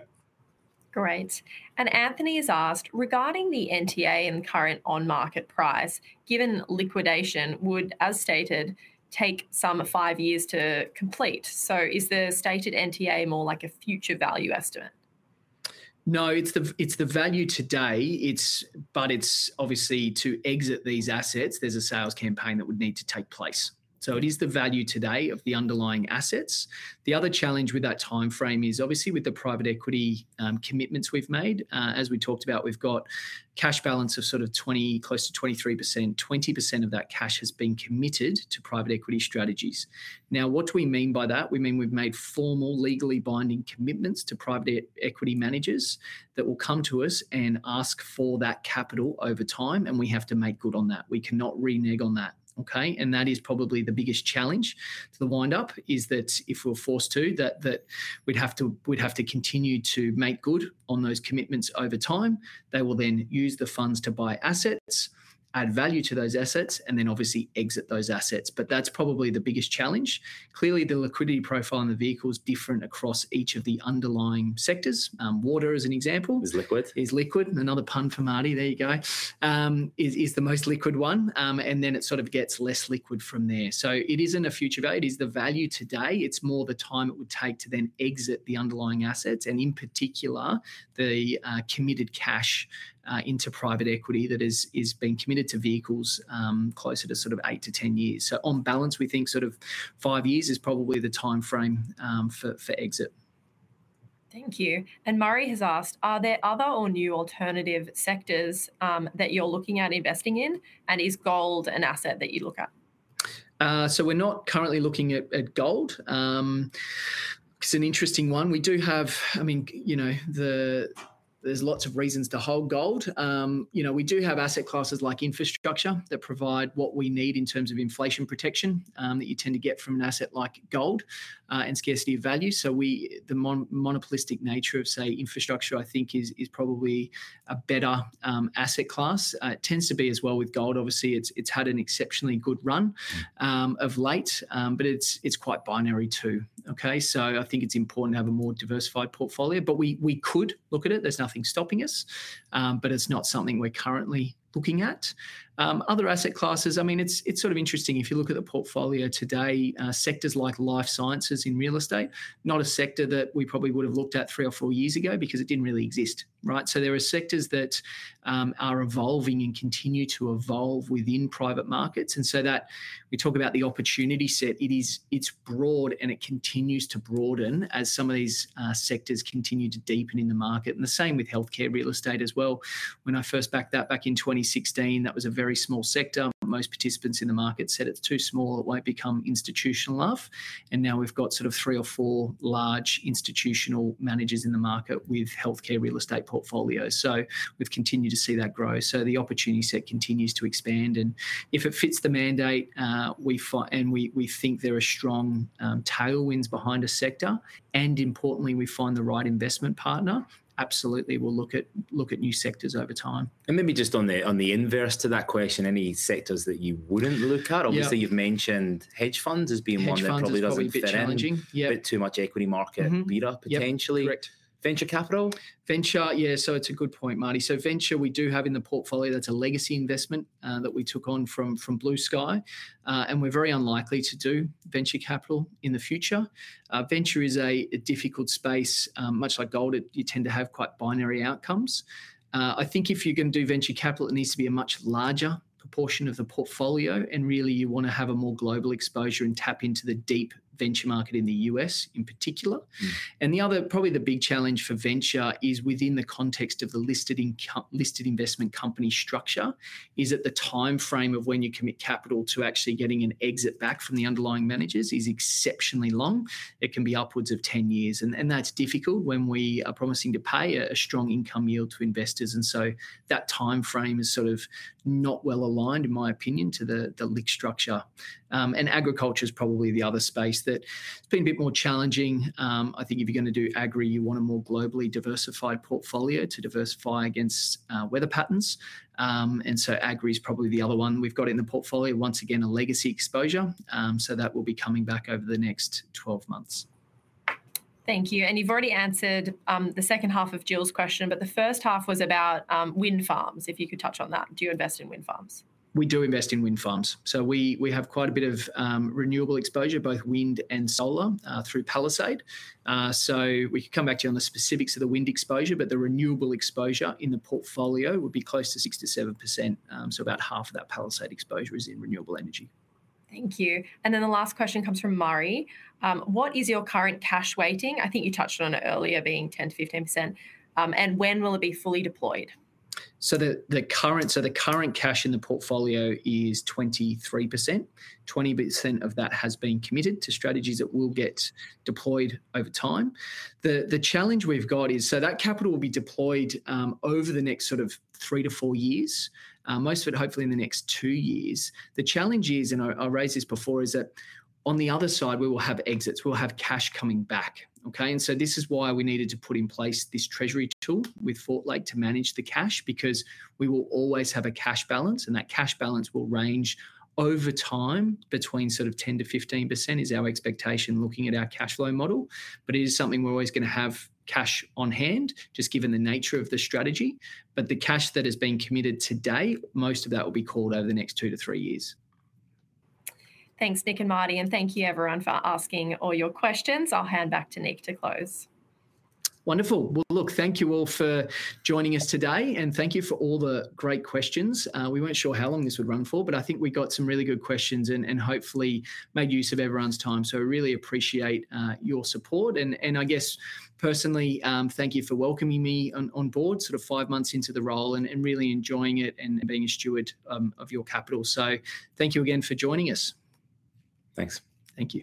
Great. Anthony has asked regarding the NTA and current on market price given liquidation would, as stated, take some five years to complete. Is the stated NTA more like a future value estimate? No, it's the value today. It's obviously to exit these assets, there's a sales campaign that would need to take place. It is the value today of the underlying assets. The other challenge with that timeframe is with the private equity commitments we've made. As we talked about, we've got a cash balance of sort of 20%, close to 23%. 20% of that cash has been committed to private equity strategies. Now, what do we mean by that? We mean we've made formal, legally binding commitments to private equity managers that will come to us and ask for that capital over time. We have to make good on that. We cannot renege on that. That is probably the biggest challenge for the wind up, that if we're forced to that, we'd have to continue to make good on those commitments over time. They will then use the funds to buy out assets, add value to those assets, and then exit those assets. That's probably the biggest challenge. Clearly, the liquidity profile in the vehicle is different across each of the underlying sectors. Water, as an example, is liquid. Is liquid. Another pun for Marty. There you go. Is the most liquid one, and then it sort of gets less liquid from there. It isn't a future day. It is the value today. It's more the time it would take to then exit the underlying assets, and in particular the committed capital cash into private equity that is being committed to vehicles closer to eight to 10 years. On balance, we think five years is probably the time frame for exit. Thank you. Murray has asked, are there other or new alternative sectors that you're looking at investing in? Is gold an asset that you look at? We're not currently looking at gold. It's an interesting one. We do have asset classes like infrastructure that provide what we need in terms of inflation protection that you tend to get from an asset like gold and scarcity of value. The monopolistic nature of, say, infrastructure, I think, is probably a better asset class. It tends to be as well. With gold, obviously, it's had an exceptionally good run of late, but it's quite binary. I think it's important to have a more diversified portfolio. We could look at it. There's nothing stopping us. It's not something we're currently looking at. Other asset classes, it's sort of interesting if you look at the portfolio today, sectors like life sciences in real estate. Not a sector that we probably would have looked at three or four years ago because it didn't really exist. There are sectors that are evolving and continue to evolve within private markets. When we talk about the opportunity set, it's broad and it continues to broaden as some of these sectors continue to deepen in the market. The same with healthcare real estate as well. When I first backed that back in 2016, that was a very small sector. Most participants in the market said, it's too small, it won't become institutional enough. Now we've got sort of three or four large institutional managers in the market with healthcare real estate portfolios. We've continued to see that grow. The opportunity set continues to expand. If it fits the mandate, and we think that there are strong tailwinds behind a sector and, importantly, we find the right investment partner, absolutely, we'll look at new sectors over time. Maybe just on the inverse to that question, any sectors that you wouldn't look at? Obviously, you've mentioned hedge funds as being one that probably doesn't look challenging, a bit too much equity market beta. Potentially correct. Venture capital. Venture capital, yeah. It's a good point, Marty. Venture we do have in the portfolio; that's a legacy investment that we took on from Blue Sky, and we're very unlikely to do venture capital in the future. Venture is a difficult space. Much like gold, you tend to have quite binary outcomes. I think if you're going to do venture capital, it needs to be a much larger proportion of the portfolio. You want to have a more global exposure and tap into the deep venture market in the U.S. in particular. The other, probably the big challenge for venture, is within the context of the listed investment company structure. The structure is that the time frame of when you commit capital to actually getting an exit back from the underlying managers is exceptionally long. It can be upwards of 10 years. That's difficult when we are promising to pay a strong income yield to investors. That time frame is not well aligned, in my opinion, to the LIC structure. Agriculture is probably the other space that has been a bit more challenging. I think if you're going to do agri, you want a more globally diversified portfolio to diversify against weather patterns. Agri is probably the other one we've got in the portfolio, once again, a legacy exposure. That will be coming back over the next 12 months. Thank you. You've already answered the second half of Jill's question, but the first half was about wind farms, if you could touch on that. Do you invest in wind farms? We do invest in wind farms. We have quite a bit of renewable exposure, both wind and solar, through Palisade. We could come back to you on the specifics of the wind exposure, but the renewable exposure in the portfolio would be close to 67%. About half of that Palisade exposure is in renewable energy. Thank you. The last question comes from Murray. What is your current cash weighting? I think you touched on it earlier being 10%-15%. When will it be fully deployed? The current cash in the portfolio is 23%. 20% of that has been committed to strategies that will get deployed over time. The challenge we've got is that capital will be deployed over the next sort of three to four years, most of it hopefully in the next two years. The challenge is, and I raised this before, that on the other side we will have exits, we'll have cash coming back. This is why we needed to put in place this treasury tool with Fortlake to manage the cash, because we will always have a cash balance. That cash balance will range over time between 10%-15% is our expectation, looking at our cash flow model. It is something we're doing. Always going to have cash on hand, just given the nature of the strategy. The cash that has been committed today, most of that will be called over the next two to three years. Thanks, Nick and Marty, and thank you everyone for asking all your questions. I'll hand back to Nick to close. Wonderful. Thank you all for joining us today and thank you for all the great questions. We weren't sure how long this would run for, but I think we got some really good questions and hopefully made use of everyone's time. I really appreciate your support and I guess personally thank you for welcoming me on board sort of five months into the role and really enjoying it and being a steward of your capital. Thank you again for joining us. Thanks. Thank you.